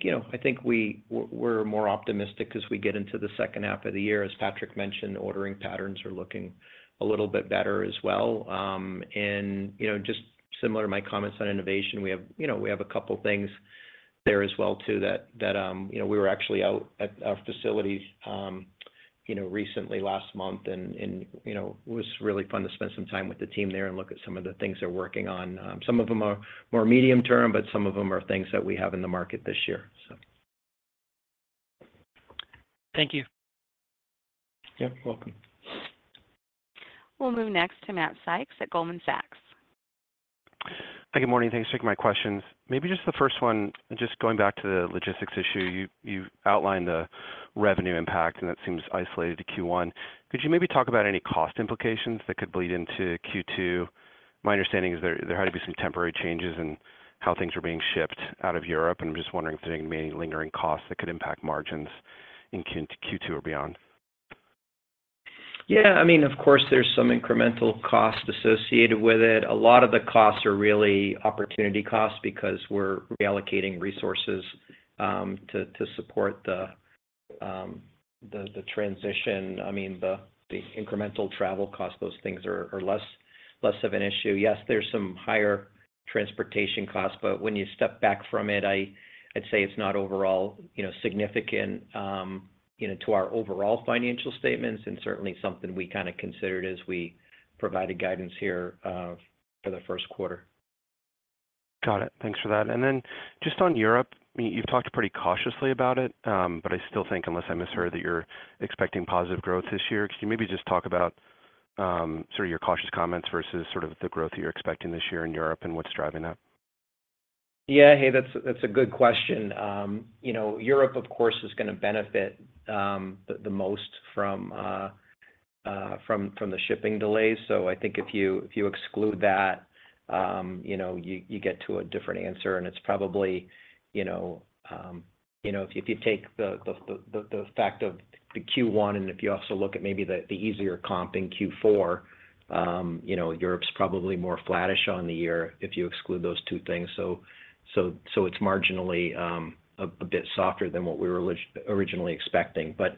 we're more optimistic as we get into the second half of the year. As Patrick mentioned, ordering patterns are looking a little bit better as well. And just similar to my comments on innovation, we have a couple of things there as well too that we were actually out at our facility recently last month. It was really fun to spend some time with the team there and look at some of the things they're working on. Some of them are more medium-term, but some of them are things that we have in the market this year, so. Thank you. Yep, welcome. We'll move next to Matt Sykes at Goldman Sachs. Hey, good morning. Thanks for taking my questions. Maybe just the first one, just going back to the logistics issue, you outlined the revenue impact, and that seems isolated to Q1. Could you maybe talk about any cost implications that could bleed into Q2? My understanding is there had to be some temporary changes in how things were being shipped out of Europe. I'm just wondering if there are any lingering costs that could impact margins in Q2 or beyond. Yeah. I mean, of course, there's some incremental cost associated with it. A lot of the costs are really opportunity costs because we're reallocating resources to support the transition. I mean, the incremental travel costs, those things are less of an issue. Yes, there's some higher transportation costs, but when you step back from it, I'd say it's not overall significant to our overall financial statements and certainly something we kind of considered as we provided guidance here for the first quarter. Got it. Thanks for that. And then just on Europe, I mean, you've talked pretty cautiously about it, but I still think, unless I misheard, that you're expecting positive growth this year. Could you maybe just talk about sort of your cautious comments versus sort of the growth that you're expecting this year in Europe and what's driving that? Yeah. Hey, that's a good question. Europe, of course, is going to benefit the most from the shipping delays. So I think if you exclude that, you get to a different answer. And it's probably if you take the fact of the Q1 and if you also look at maybe the easier comp in Q4, Europe's probably more flat-ish on the year if you exclude those two things. So it's marginally a bit softer than what we were originally expecting. But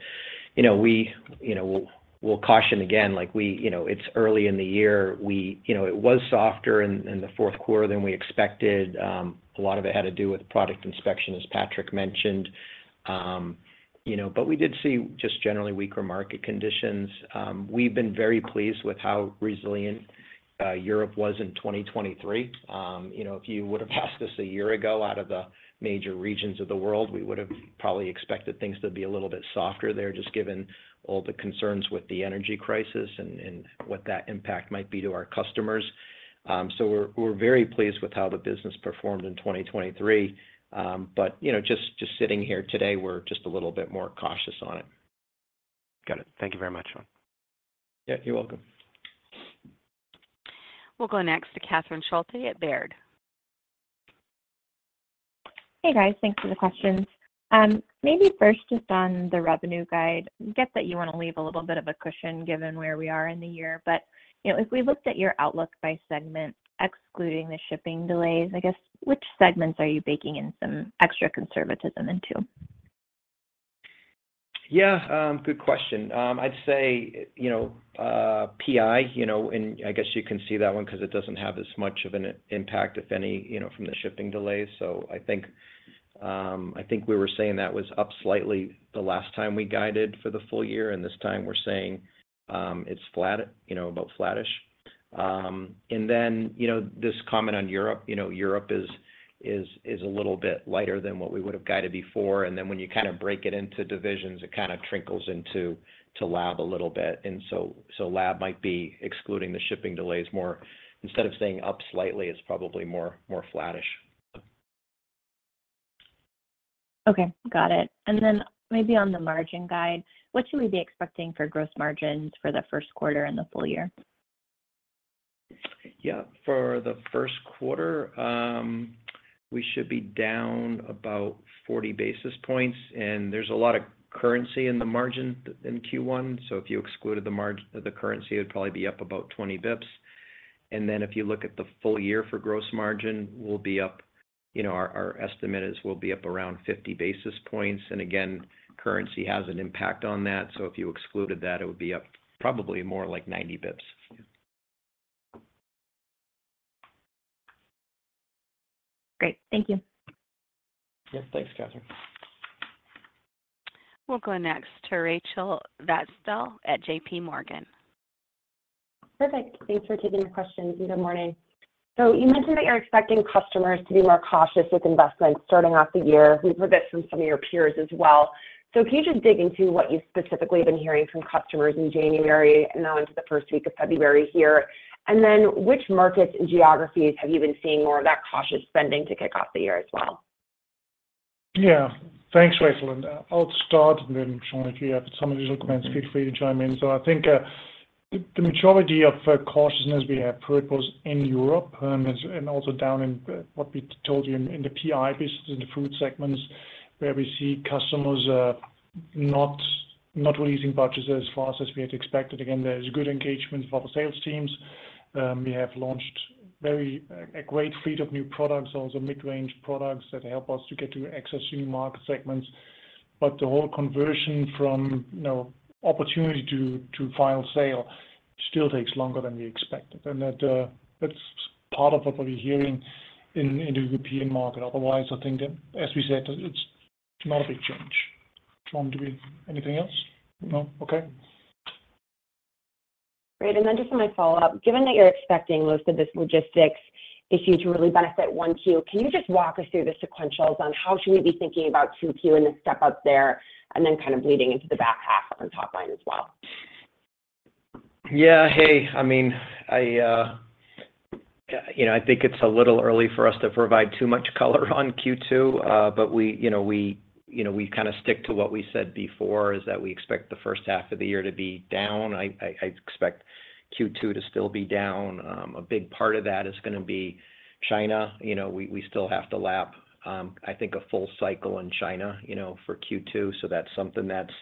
we'll caution again. It's early in the year. It was softer in the fourth quarter than we expected. A lot of it had to do with Product Inspection, as Patrick mentioned. But we did see just generally weaker market conditions. We've been very pleased with how resilient Europe was in 2023. If you would have asked us a year ago out of the major regions of the world, we would have probably expected things to be a little bit softer there, just given all the concerns with the energy crisis and what that impact might be to our customers. So we're very pleased with how the business performed in 2023. But just sitting here today, we're just a little bit more cautious on it. Got it. Thank you very much, Shawn. Yeah, you're welcome. We'll go next to Catherine Schulte at Baird. Hey, guys. Thanks for the questions. Maybe first, just on the revenue guide, I get that you want to leave a little bit of a cushion given where we are in the year. But if we looked at your outlook by segment excluding the shipping delays, I guess, which segments are you baking in some extra conservatism into? Yeah, good question. I'd say PI. And I guess you can see that one because it doesn't have as much of an impact, if any, from the shipping delays. So I think we were saying that was up slightly the last time we guided for the full year. And this time, we're saying it's about flat-ish. And then this comment on Europe, Europe is a little bit lighter than what we would have guided before. And then when you kind of break it into divisions, it kind of trickles into lab a little bit. And so lab might be excluding the shipping delays more. Instead of saying up slightly, it's probably more flat-ish. Okay. Got it. And then maybe on the margin guide, what should we be expecting for gross margins for the first quarter and the full year? Yeah. For the first quarter, we should be down about 40 basis points. And there's a lot of currency in the margin in Q1. So if you excluded the currency, it would probably be up about 20 basis points. And then if you look at the full year for gross margin, we'll be up. Our estimate is we'll be up around 50 basis points. And again, currency has an impact on that. So if you excluded that, it would be up probably more like 90 basis points. Great. Thank you. Yep. Thanks, Catherine. We'll go next to Rachel Vatnsdal at JPMorgan. Perfect. Thanks for taking the question. Good morning. So you mentioned that you're expecting customers to be more cautious with investments starting off the year. We've heard this from some of your peers as well. So can you just dig into what you've specifically been hearing from customers in January and now into the first week of February here? And then which markets and geographies have you been seeing more of that cautious spending to kick off the year as well? Yeah. Thanks, Rachel. And I'll start, and then Shawn, if you have some additional comments, feel free to join me. So I think the majority of cautiousness we have heard was in Europe and also down in what we told you in the PI business, in the food segments, where we see customers not releasing budgets as fast as we had expected. Again, there's good engagement from the sales teams. We have launched a great fleet of new products, also mid-range products that help us to get to access new market segments. But the whole conversion from opportunity to final sale still takes longer than we expected. And that's part of what we'll be hearing in the European market. Otherwise, I think that, as we said, it's not a big change. Shawn, do we have anything else? No? Okay. Great. And then just my follow-up, given that you're expecting most of this logistics issue to really benefit 1Q, can you just walk us through the sequentials on how should we be thinking about 2Q and the step up there and then kind of bleeding into the back half on top line as well? Yeah. Hey, I mean, I think it's a little early for us to provide too much color on Q2. But we kind of stick to what we said before, is that we expect the first half of the year to be down. I expect Q2 to still be down. A big part of that is going to be China. We still have to lap, I think, a full cycle in China for Q2. So that's something that's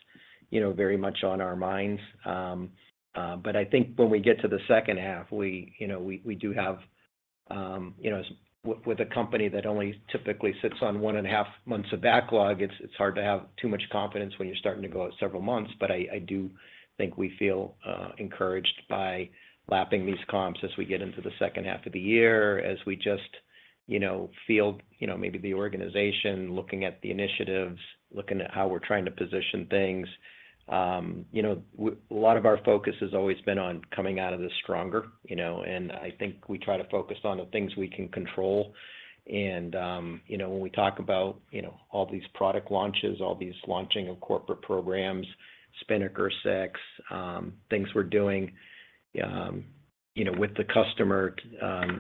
very much on our minds. But I think when we get to the second half, we do have with a company that only typically sits on one and a half months of backlog, it's hard to have too much confidence when you're starting to go at several months. But I do think we feel encouraged by lapping these comps as we get into the second half of the year, as we just feel maybe the organization looking at the initiatives, looking at how we're trying to position things. A lot of our focus has always been on coming out of this stronger. And I think we try to focus on the things we can control. And when we talk about all these product launches, all these launching of corporate programs, Spinnaker VI, things we're doing with the customer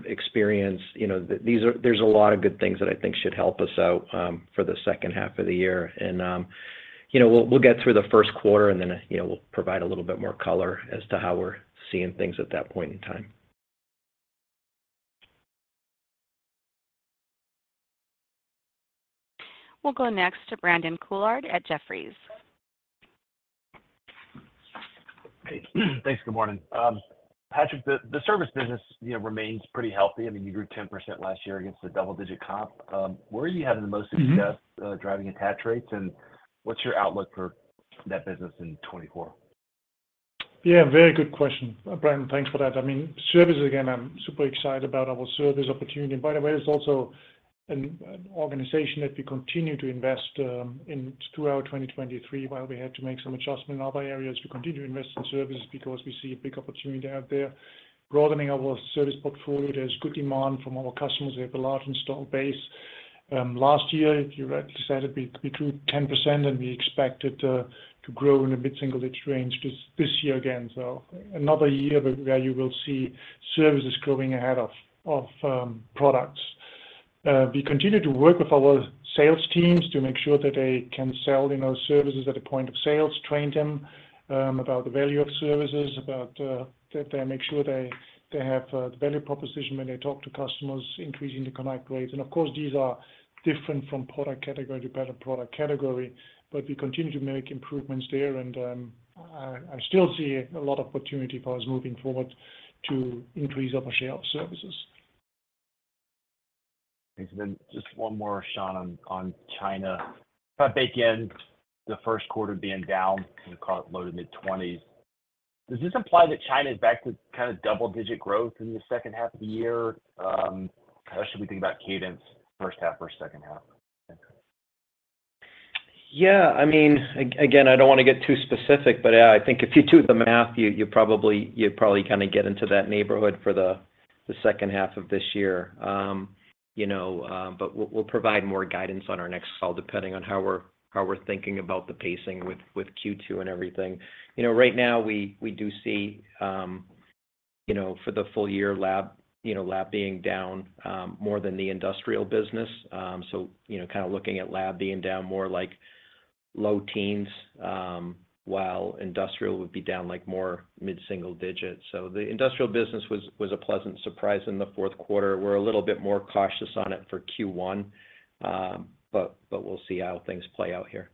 experience, there's a lot of good things that I think should help us out for the second half of the year. And we'll get through the first quarter, and then we'll provide a little bit more color as to how we're seeing things at that point in time. We'll go next to Brandon Couillard at Jefferies. Thanks. Good morning. Patrick, the service business remains pretty healthy. I mean, you grew 10% last year against a double-digit comp. Where are you having the most success driving attach rates? And what's your outlook for that business in 2024? Yeah, very good question, Brandon. Thanks for that. I mean, service, again, I'm super excited about our service opportunity. By the way, it's also an organization that we continue to invest in throughout 2023 while we had to make some adjustments in other areas. We continue to invest in services because we see a big opportunity out there, broadening our service portfolio. There's good demand from our customers. We have a large install base. Last year, if you rightly said it, we grew 10%, and we expected to grow in a mid-single-digit range this year again. So another year where you will see services growing ahead of products. We continue to work with our sales teams to make sure that they can sell services at a point of sale, train them about the value of services, make sure they have the value proposition when they talk to customers, increasing the connect rates. And of course, these are different from product category to product category, but we continue to make improvements there. And I still see a lot of opportunity for us moving forward to increase our share of services. Thanks. Then just one more, Shawn, on China. If I bake in the first quarter being down and caught it low to mid-20s, does this imply that China is back to kind of double-digit growth in the second half of the year? How should we think about cadence, first half, first second half? Yeah. I mean, again, I don't want to get too specific, but yeah, I think if you do the math, you probably kind of get into that neighborhood for the second half of this year. But we'll provide more guidance on our next call depending on how we're thinking about the pacing with Q2 and everything. Right now, we do see for the full year, lab being down more than the industrial business. So kind of looking at lab being down more like low teens%, while industrial would be down more mid-single digits%. So the industrial business was a pleasant surprise in the fourth quarter. We're a little bit more cautious on it for Q1, but we'll see how things play out here.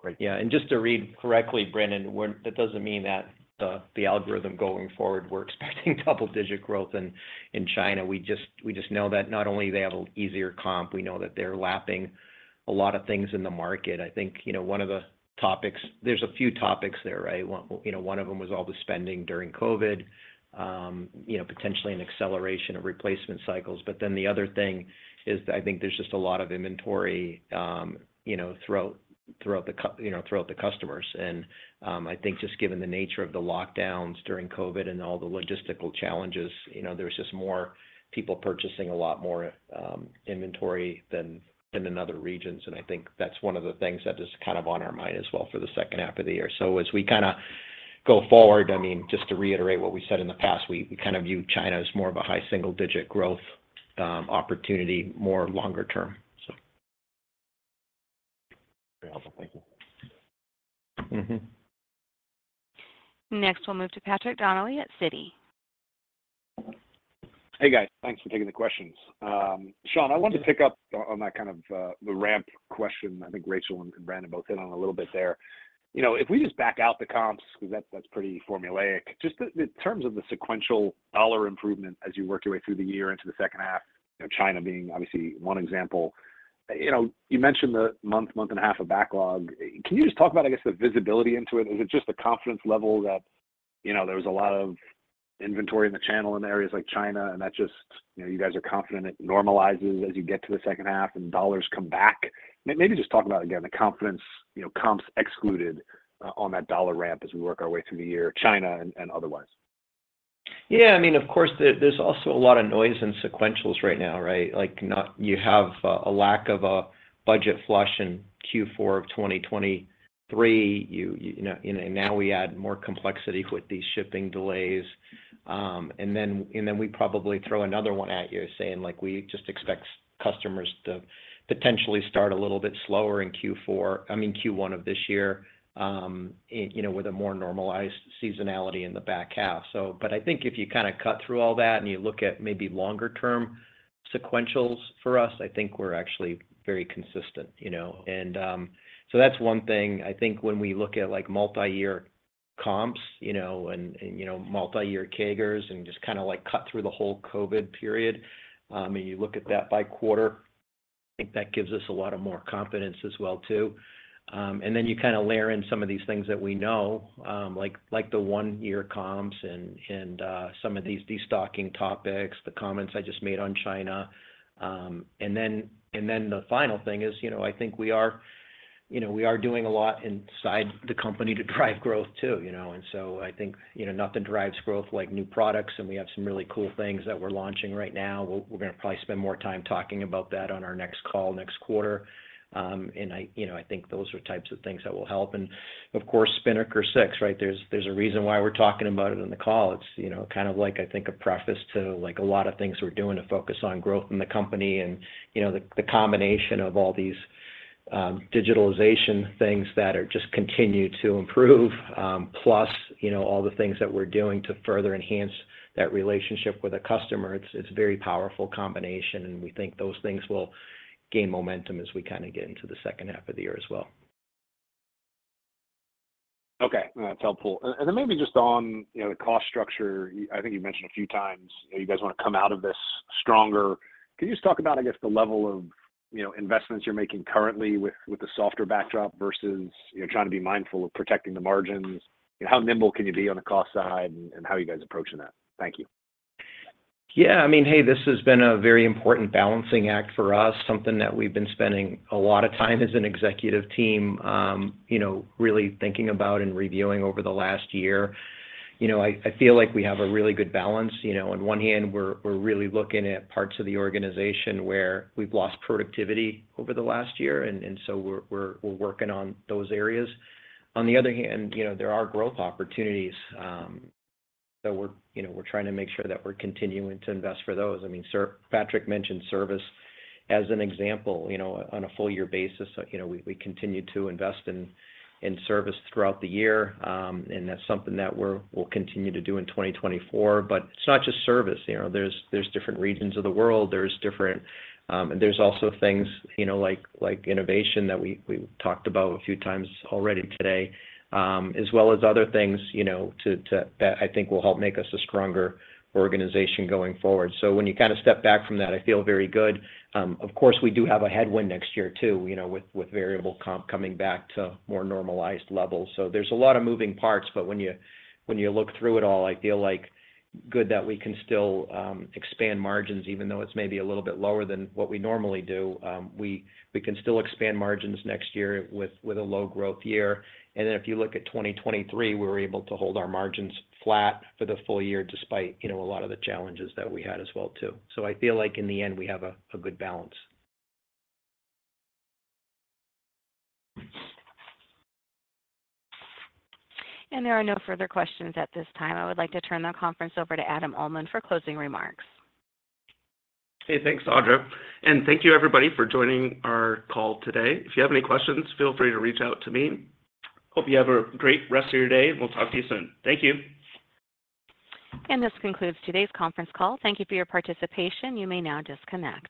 Great. Yeah. And just to read correctly, Brandon, that doesn't mean that the algorithm going forward we're expecting double-digit growth in China. We just know that not only do they have an easier comp, we know that they're lapping a lot of things in the market. I think one of the topics, there's a few topics there, right? One of them was all the spending during COVID, potentially an acceleration of replacement cycles. But then the other thing is that I think there's just a lot of inventory throughout the customers. And I think just given the nature of the lockdowns during COVID and all the logistical challenges, there's just more people purchasing a lot more inventory than in other regions. And I think that's one of the things that is kind of on our mind as well for the second half of the year. So as we kind of go forward, I mean, just to reiterate what we said in the past, we kind of view China as more of a high single-digit growth opportunity, more longer-term, so. Very helpful. Thank you. Next, we'll move to Patrick Donnelly at Citi. Hey, guys. Thanks for taking the questions. Shawn, I wanted to pick up on that kind of the ramp question. I think Rachel and Brandon both hit on it a little bit there. If we just back out the comps because that's pretty formulaic, just in terms of the sequential dollar improvement as you work your way through the year into the second half, China being obviously one example, you mentioned the month, month and a half of backlog. Can you just talk about, I guess, the visibility into it? Is it just the confidence level that there was a lot of inventory in the channel in areas like China, and that just you guys are confident it normalizes as you get to the second half and dollars come back? Maybe just talk about it again, the confidence comps excluded on that dollar ramp as we work our way through the year, China and otherwise. Yeah. I mean, of course, there's also a lot of noise and sequentials right now, right? You have a lack of a budget flush in Q4 of 2023. And now we add more complexity with these shipping delays. And then we probably throw another one at you saying we just expect customers to potentially start a little bit slower in Q4, I mean, Q1 of this year with a more normalized seasonality in the back half. But I think if you kind of cut through all that and you look at maybe longer-term sequentials for us, I think we're actually very consistent. And so that's one thing. I think when we look at multi-year comps and multi-year CAGRs and just kind of cut through the whole COVID period, and you look at that by quarter, I think that gives us a lot more confidence as well too. Then you kind of layer in some of these things that we know, like the one-year comps and some of these destocking topics, the comments I just made on China. Then the final thing is I think we are doing a lot inside the company to drive growth too. So I think nothing drives growth like new products. And we have some really cool things that we're launching right now. We're going to probably spend more time talking about that on our next call next quarter. And I think those are types of things that will help. And of course, Spinnaker Six, right? There's a reason why we're talking about it in the call. It's kind of like, I think, a preface to a lot of things we're doing to focus on growth in the company and the combination of all these digitalization things that just continue to improve, plus all the things that we're doing to further enhance that relationship with a customer. It's a very powerful combination. We think those things will gain momentum as we kind of get into the second half of the year as well. Okay. That's helpful. And then maybe just on the cost structure, I think you mentioned a few times you guys want to come out of this stronger. Can you just talk about, I guess, the level of investments you're making currently with the softer backdrop versus trying to be mindful of protecting the margins? How nimble can you be on the cost side and how you guys approaching that? Thank you. Yeah. I mean, hey, this has been a very important balancing act for us, something that we've been spending a lot of time as an executive team really thinking about and reviewing over the last year. I feel like we have a really good balance. On one hand, we're really looking at parts of the organization where we've lost productivity over the last year. And so we're working on those areas. On the other hand, there are growth opportunities. So we're trying to make sure that we're continuing to invest for those. I mean, Patrick mentioned service as an example. On a full-year basis, we continue to invest in service throughout the year. And that's something that we'll continue to do in 2024. But it's not just service. There's different regions of the world. There's different and there's also things like innovation that we talked about a few times already today, as well as other things that I think will help make us a stronger organization going forward. When you kind of step back from that, I feel very good. Of course, we do have a headwind next year too with variable comp coming back to more normalized levels. There's a lot of moving parts. But when you look through it all, I feel good that we can still expand margins even though it's maybe a little bit lower than what we normally do. We can still expand margins next year with a low-growth year. Then if you look at 2023, we were able to hold our margins flat for the full year despite a lot of the challenges that we had as well too. I feel like in the end, we have a good balance. There are no further questions at this time. I would like to turn the conference over to Adam Uhlman for closing remarks. Hey, thanks, Audra. Thank you, everybody, for joining our call today. If you have any questions, feel free to reach out to me. Hope you have a great rest of your day, and we'll talk to you soon. Thank you. This concludes today's conference call. Thank you for your participation. You may now disconnect.